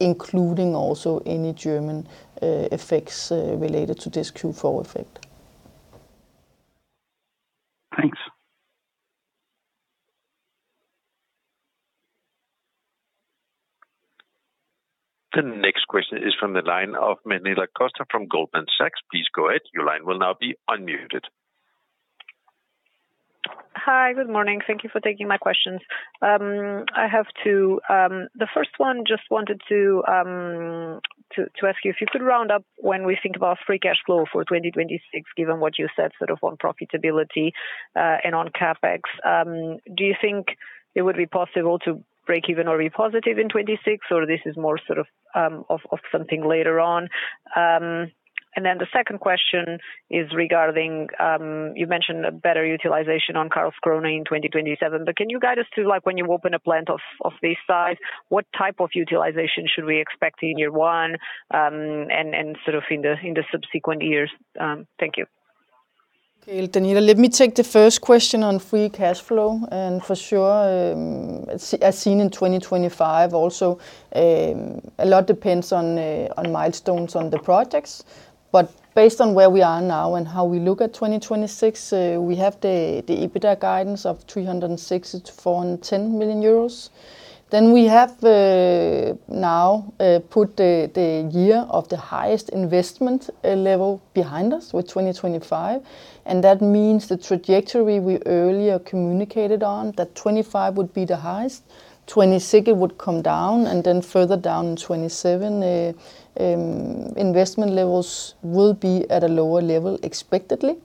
including also any German effects related to this Q4 effect. Thanks. The next question is from the line of Daniela Costa from Goldman Sachs. Please go ahead. Your line will now be unmuted. Hi, good morning. Thank you for taking my questions. I have two. The first one, just wanted to ask you if you could round up when we think about free cash flow for 2026, given what you said, sort of on profitability, and on CapEx. Do you think it would be possible to break even or be positive in 26, or this is more sort of something later on? The second question is regarding, you mentioned a better utilization on Karlskrona in 2027, but can you guide us to, like, when you open a plant of this size, what type of utilization should we expect in year one, and sort of in the subsequent years? Thank you. Okay, Daniela, let me take the first question on free cash flow. For sure, as seen in 2025 also, a lot depends on milestones on the projects. Based on where we are now and how we look at 2026, we have the EBITDA guidance of 360 million-410 million euros. We have now put the year of the highest investment level behind us with 2025, and that means the trajectory we earlier communicated on, that 2025 would be the highest, 2026 it would come down, and then further down in 2027, investment levels will be at a lower level, expectedly.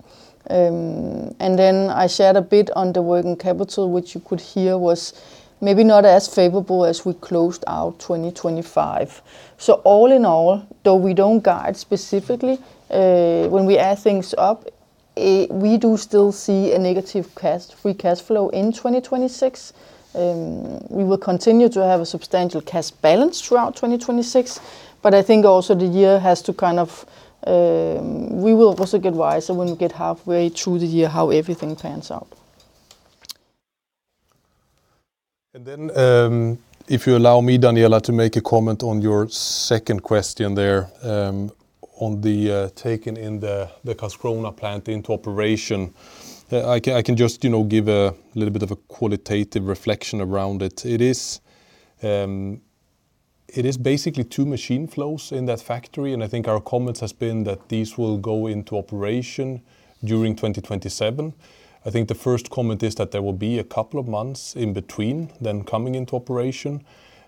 Then I shared a bit on the working capital, which you could hear was maybe not as favorable as we closed out 2025. All in all, though, we don't guide specifically, when we add things up, we do still see a negative free cash flow in 2026. We will continue to have a substantial cash balance throughout 2026, but I think also the year has to kind of. We will also get wiser when we get halfway through the year, how everything pans out. If you allow me, Daniela, to make a comment on your second question there, on the taking in the Karlskrona plant into operation. I can just, you know, give a little bit of a qualitative reflection around it. It is basically 2 machine flows in that factory, and I think our comments has been that these will go into operation during 2027. I think the first comment is that there will be a couple of months in between them coming into operation.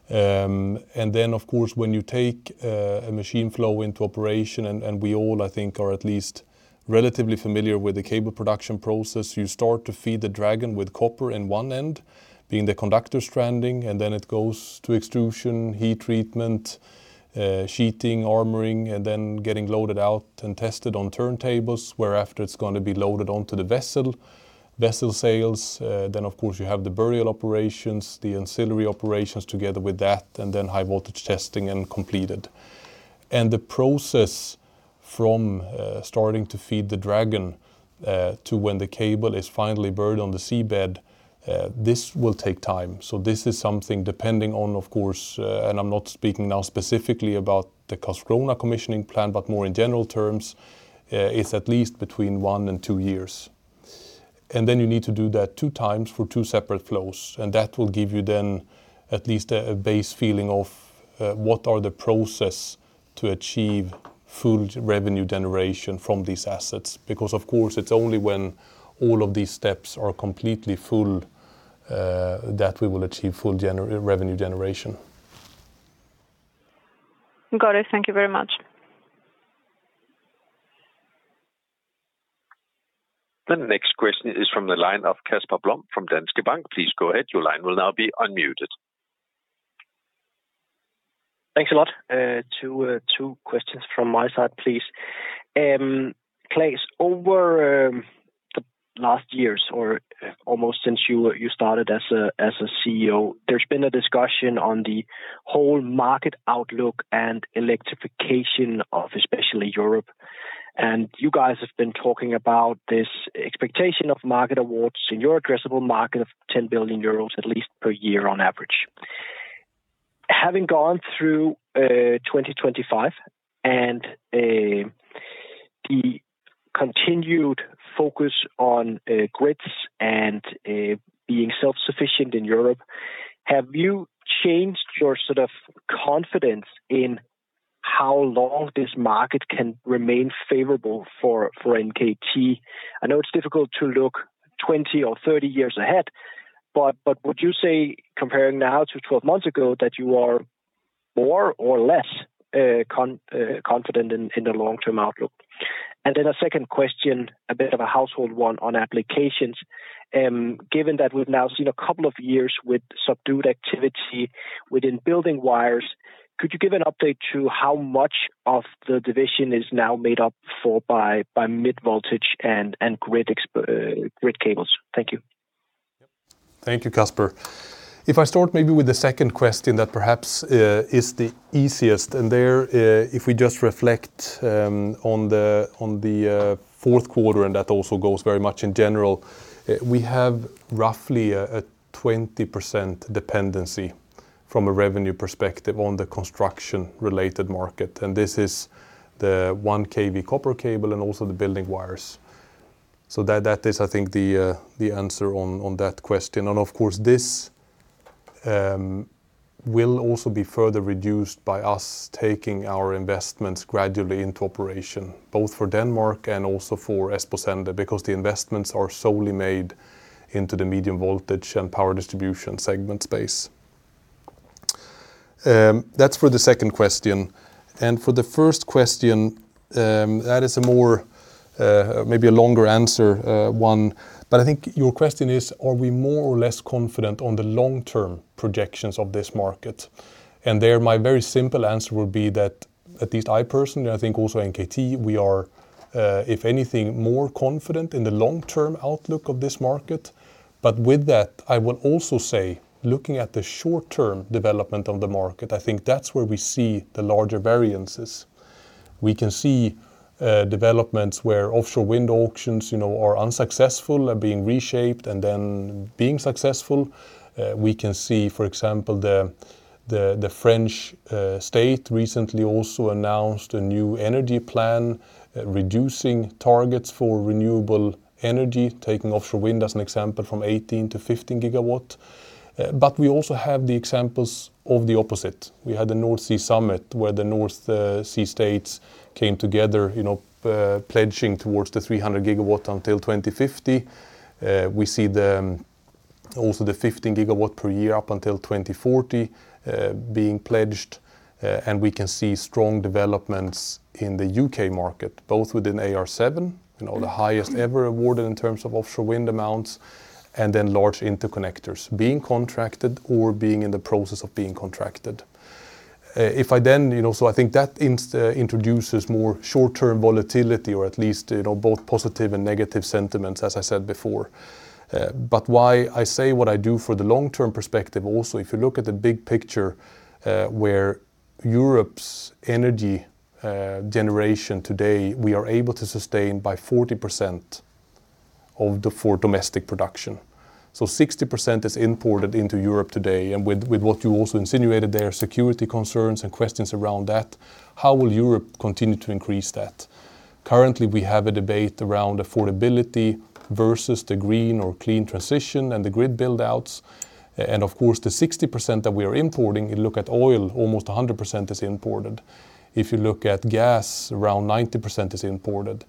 Of course, when you take a machine flow into operation, and we all, I think, are at least relatively familiar with the cable production process, you start to feed the dragon with copper in one end, being the conductor stranding, and then it goes to extrusion, heat treatment, sheathing, armoring, and then getting loaded out and tested on turntables, whereafter it's going to be loaded onto the vessel. Vessel sails, then, of course, you have the burial operations, the ancillary operations together with that, and then high voltage testing and completed. The process from starting to feed the dragon to when the cable is finally buried on the seabed, this will take time. This is something depending on, of course, and I'm not speaking now specifically about the Karlskrona commissioning plan, but more in general terms, it's at least between one and two years. Then you need to do that two times for two separate flows, and that will give you then at least a base feeling of what are the process to achieve full revenue generation from these assets. Of course, it's only when all of these steps are completely full, that we will achieve full revenue generation. Got it. Thank you very much. The next question is from the line of Casper Blom from Danske Bank. Please go ahead. Your line will now be unmuted. Thanks a lot. 2 questions from my side, please. Claes, over the last years or almost since you started as a CEO, there's been a discussion on the whole market outlook and electrification of especially Europe. And you guys have been talking about this expectation of market awards in your addressable market of 10 billion euros, at least per year on average. Having gone through 2025, and the continued focus on grids and being self-sufficient in Europe, have you changed your sort of confidence in how long this market can remain favorable for NKT? I know it's difficult to look 20 or 30 years ahead, but would you say, comparing now to 12 months ago, that you are more or less confident in the long-term outlook? Then a second question, a bit of a household one on Applications. Given that we've now seen a couple of years with subdued activity within building wires, could you give an update to how much of the division is now made up for by mid-voltage and grid cables? Thank you. Thank you, Casper. If I start maybe with the second question that perhaps is the easiest, and there, if we just reflect on the fourth quarter, and that also goes very much in general, we have roughly a 20% dependency from a revenue perspective on the construction-related market, and this is the 1 KV copper cable and also the building wires. That, that is, I think, the answer on that question. Of course, this will also be further reduced by us taking our investments gradually into operation, both for Denmark and also for Esposende, because the investments are solely made into the medium voltage and power distribution segment space. That's for the second question. For the first question, that is a more, maybe a longer answer, one, but I think your question is, are we more or less confident on the long-term projections of this market? There, my very simple answer would be that at least I personally, and I think also NKT, we are, if anything, more confident in the long-term outlook of this market. With that, I will also say, looking at the short-term development of the market, I think that's where we see the larger variances. We can see developments where offshore wind auctions, you know, are unsuccessful, are being reshaped, and then being successful. We can see, for example, the French state recently also announced a new energy plan, reducing targets for renewable energy, taking offshore wind as an example, from 18 to 15 gigawatt. We also have the examples of the opposite. We had the North Sea Summit, where the North Sea states came together, you know, pledging towards the 300 gigawatt until 2050. We see the also the 15 gigawatt per year up until 2040 being pledged. We can see strong developments in the UK market, both within AR7, you know, the highest ever awarded in terms of offshore wind amounts, then large interconnectors being contracted or being in the process of being contracted. You know, I think that introduces more short-term volatility, or at least, you know, both positive and negative sentiments, as I said before. Why I say what I do for the long-term perspective, also, if you look at the big picture, where Europe's energy generation today, we are able to sustain by 40% of the four domestic production. 60% is imported into Europe today, and with what you also insinuated, there are security concerns and questions around that. How will Europe continue to increase that? Currently, we have a debate around affordability versus the green or clean transition and the grid buildouts. Of course, the 60% that we are importing, you look at oil, almost 100% is imported. If you look at gas, around 90% is imported.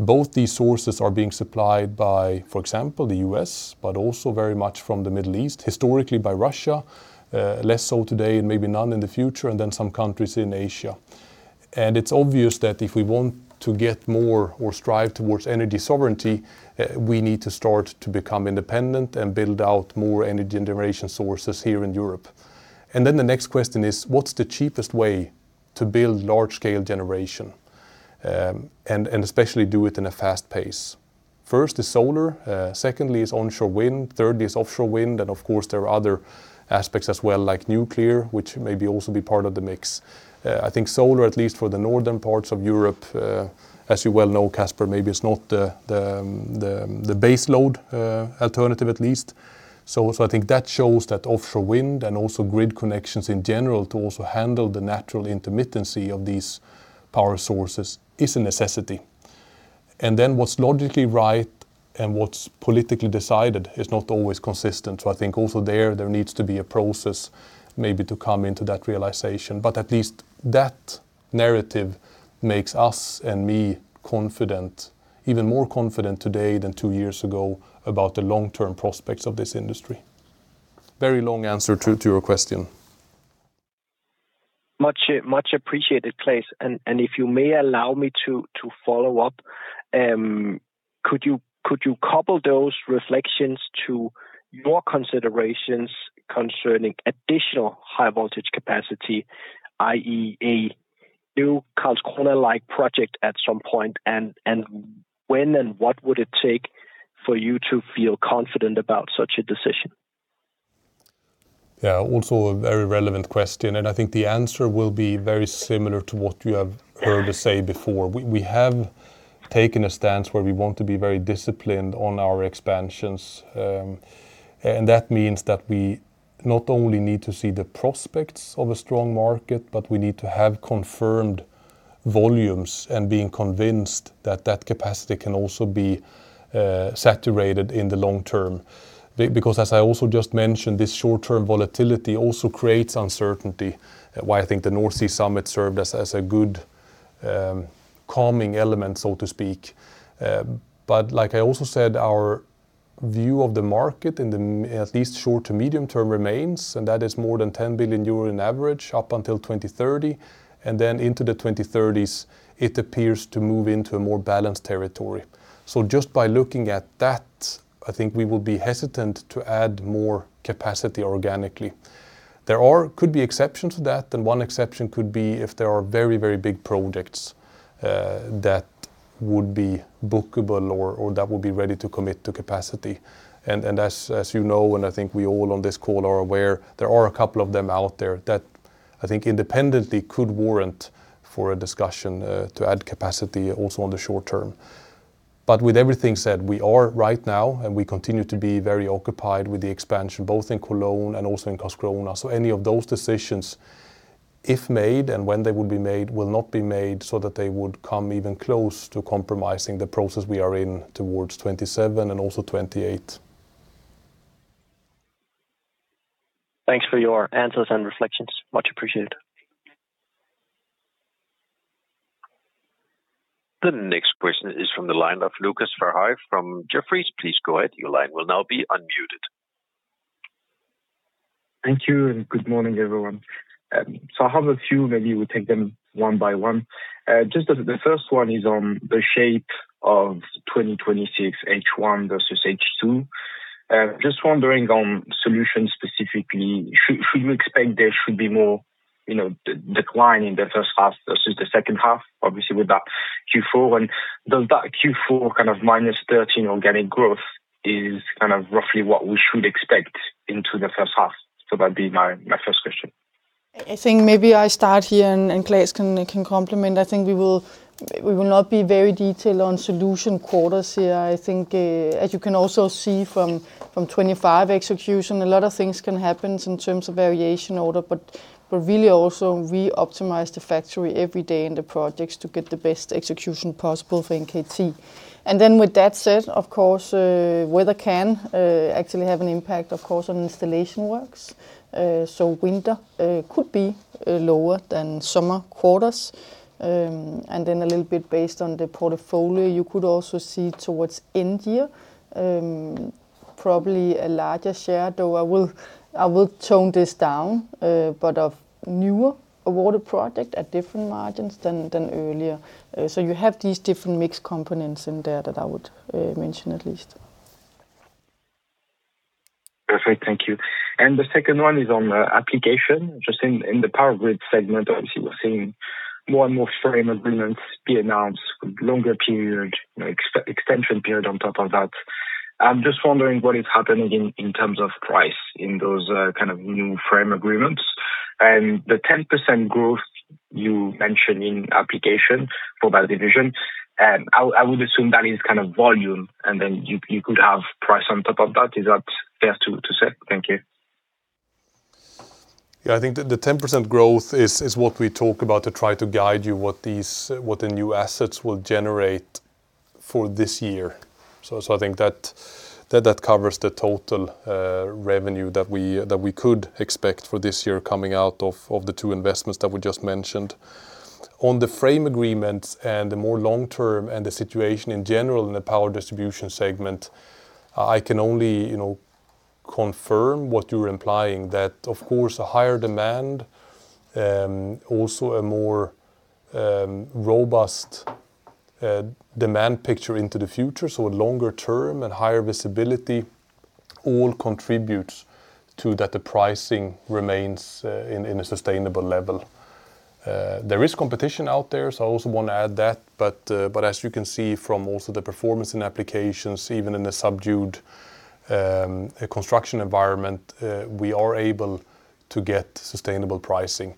Both these sources are being supplied by, for example, the US, but also very much from the Middle East, historically by Russia, less so today and maybe none in the future, and then some countries in Asia. It's obvious that if we want to get more or strive towards energy sovereignty, we need to start to become independent and build out more energy generation sources here in Europe. Then the next question is, what's the cheapest way to build large-scale generation? Especially do it in a fast pace. First is solar, secondly is onshore wind, third is offshore wind, of course, there are other aspects as well, like nuclear, which may be also be part of the mix. I think solar, at least for the northern parts of Europe, as you well know, Casper, maybe it's not the base load, alternative at least. I think that shows that offshore wind and also grid connections in general, to also handle the natural intermittency of these power sources is a necessity. What's logically right and what's politically decided is not always consistent. I think also there needs to be a process maybe to come into that realization, but at least that narrative makes us and me even more confident today than two years ago about the long-term prospects of this industry. Very long answer to your question. Much appreciated, Claes. If you may allow me to follow up, could you couple those reflections to your considerations concerning additional high voltage capacity, i.e., a new Karlskrona-like project at some point? When and what would it take for you to feel confident about such a decision? Also a very relevant question, and I think the answer will be very similar to what you have heard us say before. We have taken a stance where we want to be very disciplined on our expansions. That means that we not only need to see the prospects of a strong market, but we need to have confirmed volumes and being convinced that that capacity can also be saturated in the long term. because as I also just mentioned, this short-term volatility also creates uncertainty, why I think the North Sea Summit served as a good calming element, so to speak. Like I also said, our view of the market in the at least short to medium term, remains, and that is more than 10 billion euro in average up until 2030, and then into the 2030s, it appears to move into a more balanced territory. Just by looking at that, I think we will be hesitant to add more capacity organically. There could be exceptions to that, and one exception could be if there are very, very big projects, that would be bookable or that would be ready to commit to capacity. As you know, and I think we all on this call are aware, there are a couple of them out there that I think independently could warrant for a discussion, to add capacity also on the short term. With everything said, we are right now, and we continue to be very occupied with the expansion, both in Cologne and also in Karlskrona. Any of those decisions, if made, and when they will be made, will not be made so that they would come even close to compromising the process we are in towards 27 and also 28. Thanks for your answers and reflections. Much appreciated. The next question is from the line of Lucas Ferhani from Jefferies. Please go ahead. Your line will now be unmuted. Thank you. Good morning, everyone. I have a few, maybe we'll take them one by one. Just as the first one is on the shape of 2026 H1 versus H2. Just wondering on Solutions specifically, should we expect there should be more, you know, decline in the first half versus the second half, obviously, with that Q4? Does that Q4 kind of -13 organic growth is kind of roughly what we should expect into the first half? That'd be my first question. I think maybe I start here, and Claes can complement. I think we will not be very detailed on Solutions quarters here. I think, as you can also see from 25 execution, a lot of things can happen in terms of Variation Order, but really also we optimize the factory every day in the projects to get the best execution possible for NKT. With that said, of course, weather can actually have an impact, of course, on installation works. Winter could be lower than summer quarters. A little bit based on the portfolio, you could also see towards end year, probably a larger share, though I will tone this down, but of newer award project at different margins than earlier. You have these different mix components in there that I would mention at least. Perfect. Thank you. The second one is on the Applications. Just in the power grid segment, obviously, we're seeing more and more frame agreements being announced, longer period, extension period on top of that. I'm just wondering what is happening in terms of price in those kind of new frame agreements. The 10% growth you mentioned in Applications for that division, I would assume that is kind of volume, and then you could have price on top of that. Is that fair to say? Thank you. Yeah, I think the 10% growth is what we talk about to try to guide you what the new assets will generate for this year. I think that covers the total revenue that we could expect for this year coming out of the two investments that we just mentioned. On the frame agreements and the more long term and the situation in general in the power distribution segment, I can only, you know, confirm what you're implying, that, of course, a higher demand, also a more robust demand picture into the future, so a longer term and higher visibility, all contributes to that the pricing remains in a sustainable level. There is competition out there, so I also want to add that. As you can see from also the performance in Applications, even in a subdued construction environment, we are able to get sustainable pricing.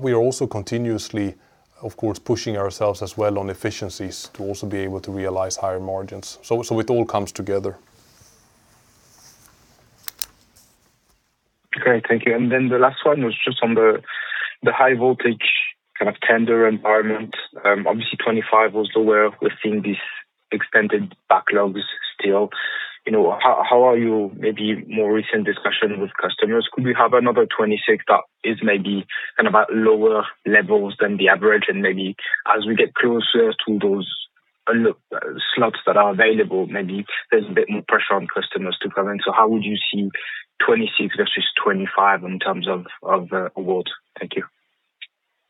We are also continuously, of course, pushing ourselves as well on efficiencies to also be able to realize higher margins. It all comes together. Great, thank you. The last one was just on the high voltage, kind of, tender environment. Obviously, 25 was aware of we're seeing these extended backlogs still. you know, how are you maybe more recent discussion with customers? Could we have another 26 that is maybe kind of at lower levels than the average, and maybe as we get closer to those, look, slots that are available, maybe there's a bit more pressure on customers to come in. How would you see 26 versus 25 in terms of awards? Thank you.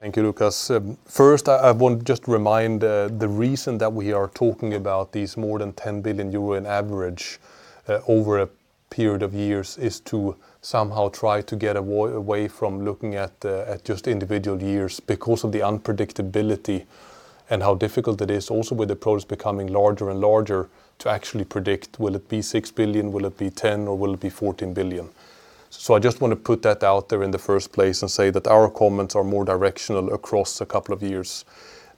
Thank you, Lucas. First, I want to just remind, the reason that we are talking about these more than 10 billion euro in average, over a period of years, is to somehow try to get away from looking at just individual years because of the unpredictability and how difficult it is also with the projects becoming larger and larger, to actually predict, will it be 6 billion, will it be 10 billion, or will it be 14 billion? I just want to put that out there in the first place and say that our comments are more directional across a couple of years.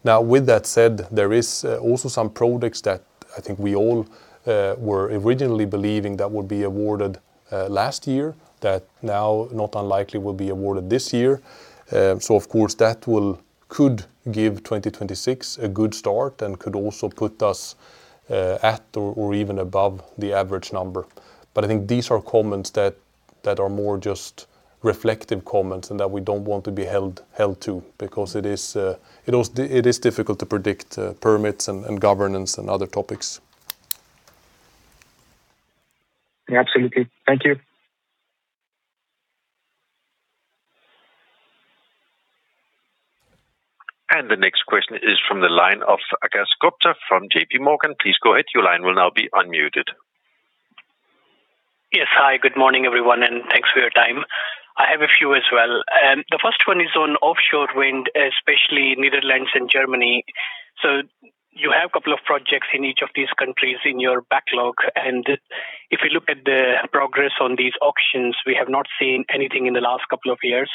With that said, there is also some projects that I think we all were originally believing that would be awarded last year, that now not unlikely will be awarded this year. Of course, could give 2026 a good start and could also put us at or even above the average number. I think these are comments that are more just reflective comments and that we don't want to be held to, because it is difficult to predict permits and governance and other topics. Yeah, absolutely. Thank you. The next question is from the line of Akash Gupta from J.P. Morgan. Please go ahead. Your line will now be unmuted. Yes. Hi, good morning, everyone, and thanks for your time. I have a few as well. The first one is on offshore wind, especially Netherlands and Germany. You have a couple of projects in each of these countries in your backlog, and if you look at the progress on these auctions, we have not seen anything in the last couple of years.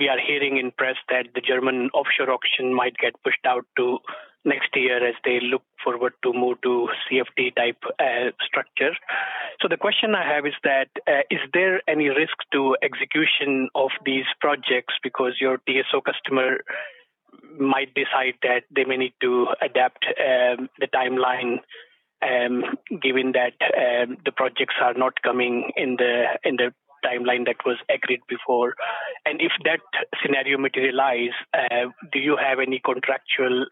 We are hearing in press that the German offshore auction might get pushed out to next year as they look forward to move to CFD-type structure. The question I have is that, is there any risk to execution of these projects because your TSO customer might decide that they may need to adapt the timeline given that the projects are not coming in the timeline that was agreed before? If that scenario materialize, do you have any contractual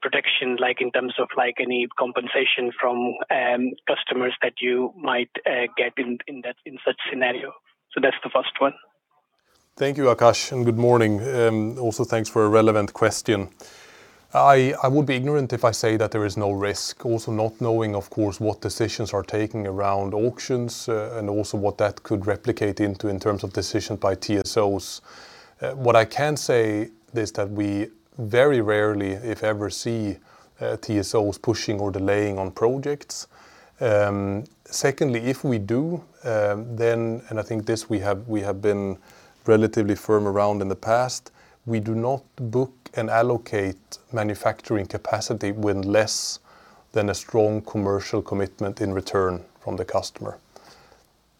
protection, like, in terms of, like, any compensation from customers that you might get in that, in such scenario? That's the first one. Thank you, Akash, and good morning. Thanks for a relevant question. I would be ignorant if I say that there is no risk, also not knowing, of course, what decisions are taking around auctions, and also what that could replicate into in terms of decisions by TSOs. What I can say is that we very rarely, if ever, see, TSOs pushing or delaying on projects. Secondly, if we do, then, and I think this we have been relatively firm around in the past, we do not book and allocate manufacturing capacity with less than a strong commercial commitment in return from the customer.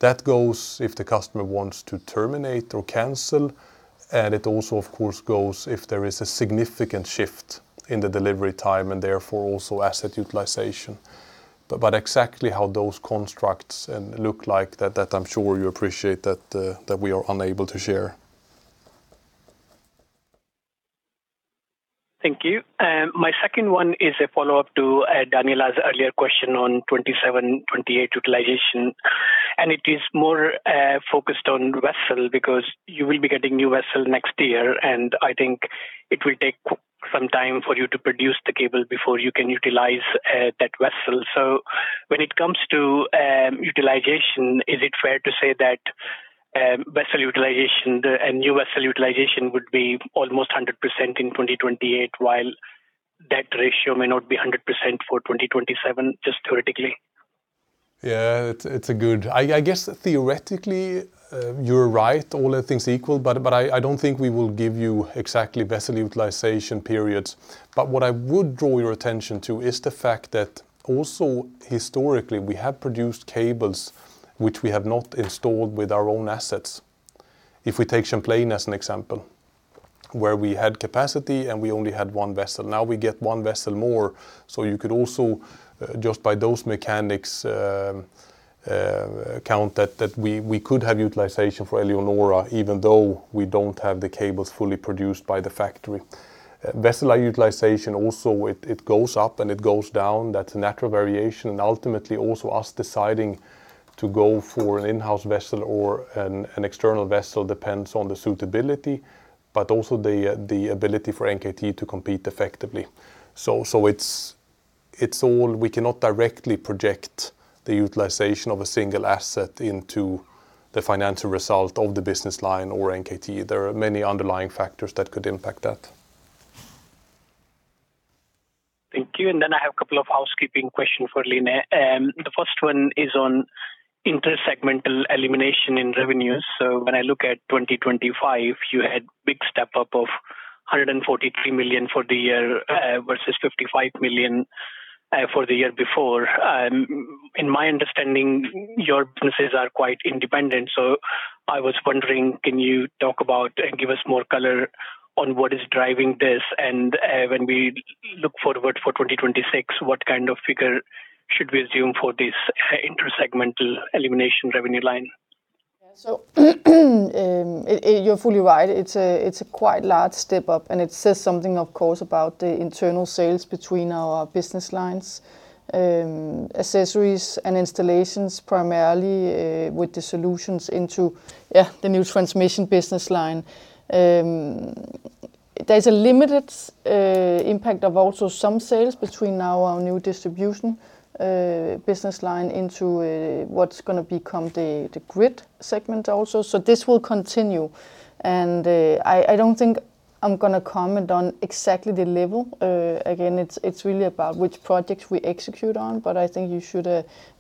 That goes if the customer wants to terminate or cancel, it also, of course, goes if there is a significant shift in the delivery time and therefore also asset utilization. Exactly how those constructs look like that I'm sure you appreciate that we are unable to share. Thank you. My second one is a follow-up to Daniela's earlier question on 2027, 2028 utilization. It is more focused on vessel, because you will be getting new vessel next year, and I think it will take some time for you to produce the cable before you can utilize that vessel. When it comes to utilization, is it fair to say that vessel utilization, the new vessel utilization would be almost 100% in 2028, while that ratio may not be 100% for 2027, just theoretically? I guess theoretically, you're right, all other things equal, but I don't think we will give you exactly vessel utilization periods. What I would draw your attention to is the fact that also historically, we have produced cables which we have not installed with our own assets. If we take Champlain as an example, where we had capacity and we only had one vessel, now we get one vessel more. You could also, just by those mechanics, count that we could have utilization for Eleonora, even though we don't have the cables fully produced by the factory. Vessel utilization also, it goes up and it goes down. That's a natural variation. Ultimately also us deciding to go for an in-house vessel or an external vessel depends on the suitability, but also the ability for NKT to compete effectively. We cannot directly project the utilization of a single asset into the financial result of the business line or NKT. There are many underlying factors that could impact that. Thank you. Then I have a couple of housekeeping questions for Line. The first one is on intersegmental elimination in revenues. When I look at 2025, you had big step-up of 143 million for the year versus 55 million for the year before. In my understanding, your businesses are quite independent. I was wondering, can you talk about and give us more color on what is driving this? When we look forward for 2026, what kind of figure should we assume for this intersegmental elimination revenue line? You're fully right. It's a quite large step up, and it says something, of course, about the internal sales between our business lines. Accessories and installations, primarily, with the Solutions into the new Transmission business line. There's a limited impact of also some sales between now our new Distribution business line into what's gonna become the Grid segment also. This will continue, and I don't think I'm gonna comment on exactly the level. Again, it's really about which projects we execute on, but I think you should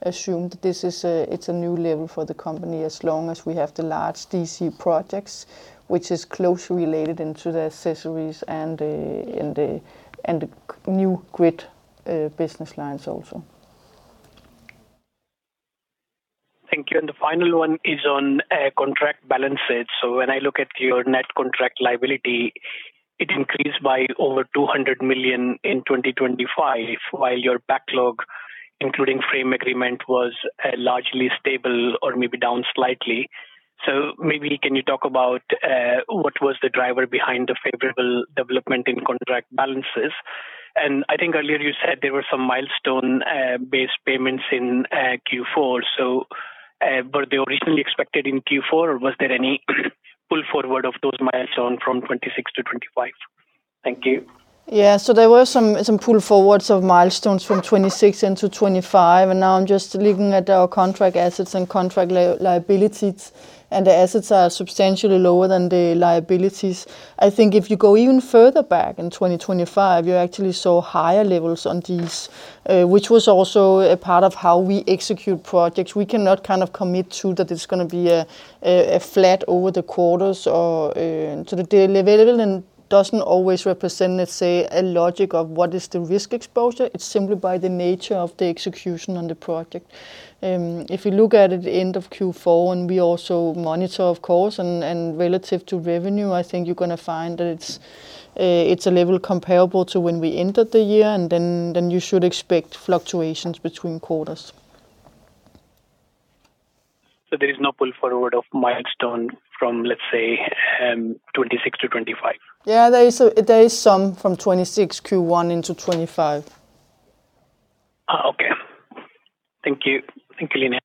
assume that this is a new level for the company, as long as we have the large DC projects, which is closely related into the accessories and the new Grid business lines also. Thank you. The final one is on contract balances. When I look at your net contract liability, it increased by over 200 million in 2025, while your backlog, including frame agreement, was largely stable or maybe down slightly. Maybe can you talk about what was the driver behind the favorable development in contract balances? I think earlier you said there were some milestone based payments in Q4. Were they originally expected in Q4, or was there any pull forward of those milestone from 2026 to 2025? Thank you. There were some pull forwards of milestones from 2026 into 2025, and now I'm just looking at our contract assets and contract liabilities, and the assets are substantially lower than the liabilities. I think if you go even further back in 2025, you actually saw higher levels on these, which was also a part of how we execute projects. We cannot kind of commit to that it's gonna be a flat over the quarters or... The level then doesn't always represent, let's say, a logic of what is the risk exposure. It's simply by the nature of the execution on the project. If you look at it, the end of Q4, and we also monitor, of course, and relative to revenue, I think you're going to find that it's a level comparable to when we entered the year, and then you should expect fluctuations between quarters. There is no pull forward of milestone from, let's say, 26 to 25? Yeah, there is some from 2026 Q1 into 2025. Okay. Thank you. Thank you, Line.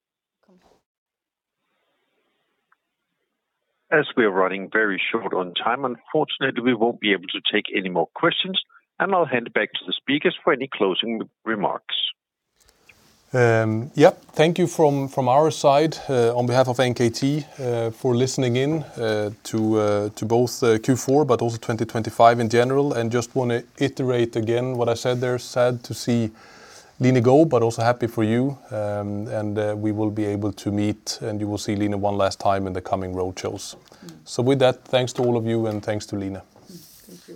As we are running very short on time, unfortunately, we won't be able to take any more questions, and I'll hand it back to the speakers for any closing remarks. Yep. Thank you from our side, on behalf of NKT, for listening in to both Q4, but also 2025 in general. Just wanna iterate again what I said there, sad to see Line go, but also happy for you. We will be able to meet, and you will see Line one last time in the coming roadshows. With that, thanks to all of you, and thanks to Line. Thank you.